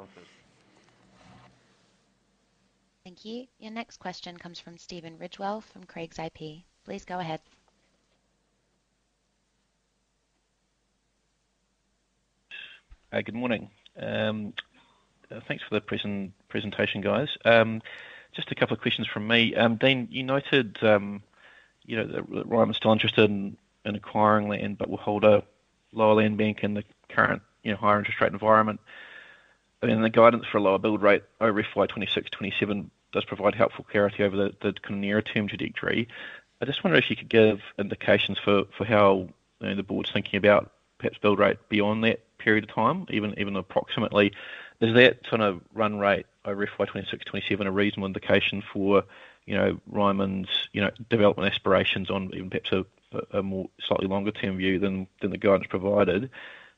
Thank you. Your next question comes from Stephen Ridgewell from Craigs IP. Please go ahead. Good morning. Thanks for the presentation, guys. Just a couple of questions from me. Dean, you noted, you know, that Ryman is still interested in acquiring land, but will hold a lower land bank in the current, you know, higher interest rate environment. And the guidance for a lower build rate over FY 2026, FY 2027 does provide helpful clarity over the kind of near-term trajectory. I just wonder if you could give indications for how, you know, the board's thinking about perhaps build rate beyond that period of time, even approximately. Is that sort of run rate over FY 2026, FY 2027 a reasonable indication for, you know, Ryman's, you know, development aspirations on even perhaps a more slightly longer term view than the guidance provided?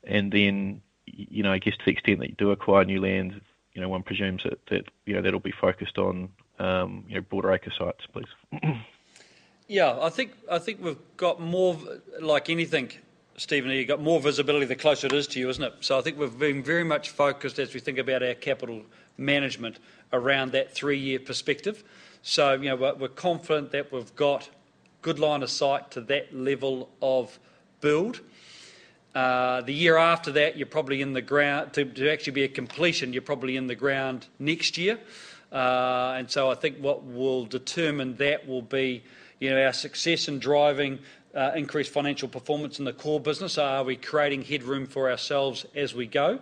And then, you know, I guess to the extent that you do acquire new land, you know, one presumes that, you know, that'll be focused on, you know, broad acre sites, please. Yeah, I think, I think we've got more like anything, Steven, you got more visibility the closer it is to you, isn't it? So I think we've been very much focused as we think about our capital management around that three-year perspective. So, you know, we're, we're confident that we've got good line of sight to that level of build. The year after that, you're probably in the ground - to actually be a completion, you're probably in the ground next year. And so I think what will determine that will be, you know, our success in driving increased financial performance in the core business. Are we creating headroom for ourselves as we go?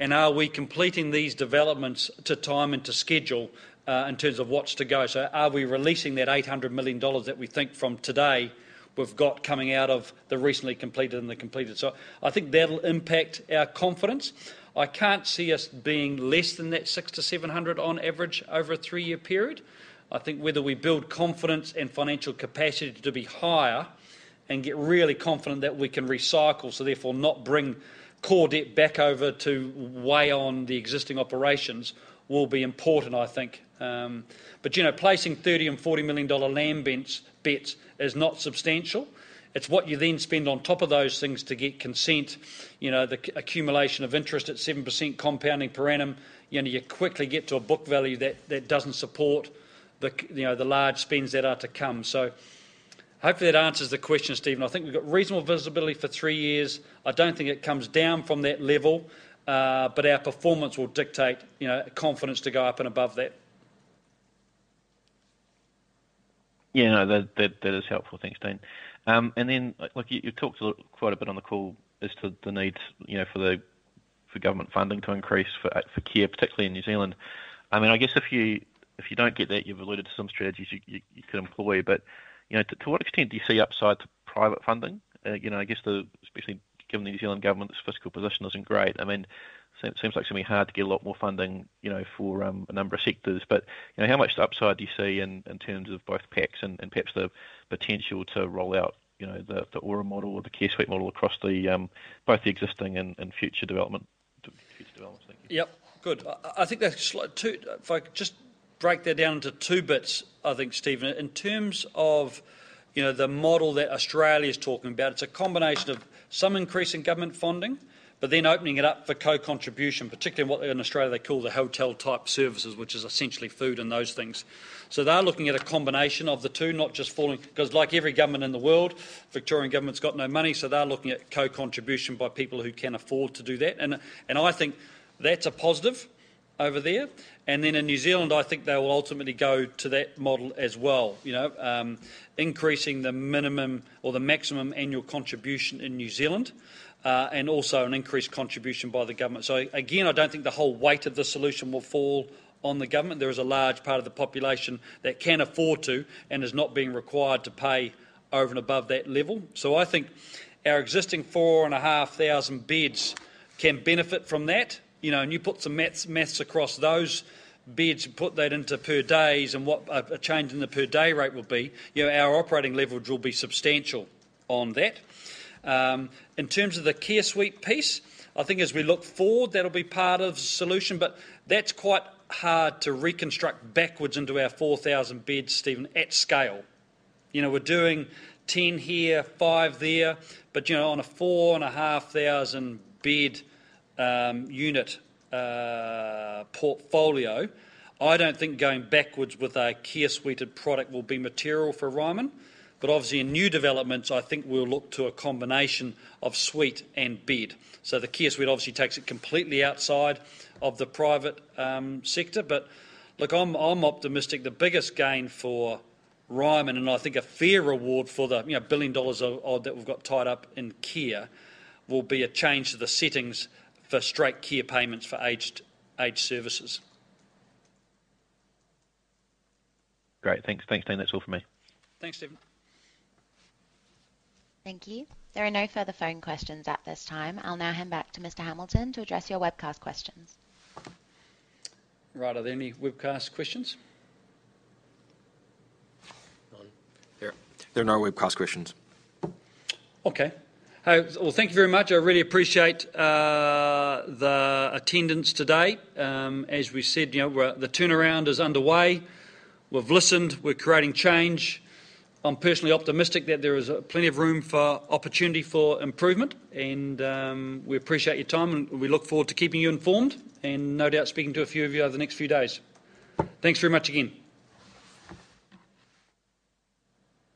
And are we completing these developments to time and to schedule, in terms of what's to go? So are we releasing that 800 million dollars that we think from today we've got coming out of the recently completed and the completed? So I think that'll impact our confidence. I can't see us being less than that 600-700 on average over a three-year period. I think whether we build confidence and financial capacity to be higher and get really confident that we can recycle, so therefore not bring core debt back over to weigh on the existing operations, will be important, I think. But, you know, placing 30 million and 40 million dollar land banks-beds is not substantial. It's what you then spend on top of those things to get consent, you know, the accumulation of interest at 7% compounding per annum. You know, you quickly get to a book value that, that doesn't support the you know, the large spends that are to come. So hopefully that answers the question, Steven. I think we've got reasonable visibility for three years. I don't think it comes down from that level, but our performance will dictate, you know, confidence to go up and above that. Yeah, no, that is helpful. Thanks, Dean. And then, like, you talked a little, quite a bit on the call as to the needs, you know, for the, for government funding to increase for care, particularly in New Zealand. I mean, I guess if you don't get that, you've alluded to some strategies you could employ, but, you know, to what extent do you see upside to private funding? You know, I guess the, especially given the New Zealand government's fiscal position isn't great. I mean, it seems like it's gonna be hard to get a lot more funding, you know, for a number of sectors. You know, how much upside do you see in terms of both PACs and perhaps the potential to roll out, you know, the ORA model or the Care Suites model across both the existing and future developments? Thank you. Yep, good. I think that's two. If I could just break that down into two bits, I think, Stephen. In terms of, you know, the model that Australia's talking about, it's a combination of some increase in government funding, but then opening it up for co-contribution, particularly in what in Australia they call the hotel-type services, which is essentially food and those things. So they're looking at a combination of the two, not just falling, 'Cause like every government in the world, Victorian government's got no money, so they're looking at co-contribution by people who can afford to do that, and I think that's a positive over there. And then in New Zealand, I think they will ultimately go to that model as well, you know, increasing the minimum or the maximum annual contribution in New Zealand, and also an increased contribution by the government. So again, I don't think the whole weight of the solution will fall on the government. There is a large part of the population that can afford to and is not being required to pay over and above that level. So I think our existing 4,500 beds can benefit from that. You know, and you put some maths across those beds and put that into per days and what a change in the per day rate will be, you know, our operating leverage will be substantial on that. In terms of the Care Suites piece, I think as we look forward, that'll be part of the solution, but that's quite hard to reconstruct backwards into our 4,000 beds, Stephen, at scale. You know, we're doing 10 here, five there, but, you know, on a 4,500 bed unit portfolio, I don't think going backwards with a Care Suites product will be material for Ryman. But obviously, in new developments, I think we'll look to a combination of suite and bed. So the Care Suites obviously takes it completely outside of the private sector, but look, I'm optimistic the biggest gain for Ryman, and I think a fair reward for the, you know, 1 billion dollars odd that we've got tied up in care, will be a change to the settings for straight care payments for aged, aged services. Great. Thanks. Thanks, Dean. That's all for me. Thanks, Steven. Thank you. There are no further phone questions at this time. I'll now hand back to Mr. Hamilton to address your webcast questions. Right, are there any webcast questions? None. There are no webcast questions. Okay. Well, thank you very much. I really appreciate the attendance today. As we said, you know, we're the turnaround is underway. We've listened. We're creating change. I'm personally optimistic that there is plenty of room for opportunity for improvement, and we appreciate your time, and we look forward to keeping you informed, and no doubt speaking to a few of you over the next few days. Thanks very much again.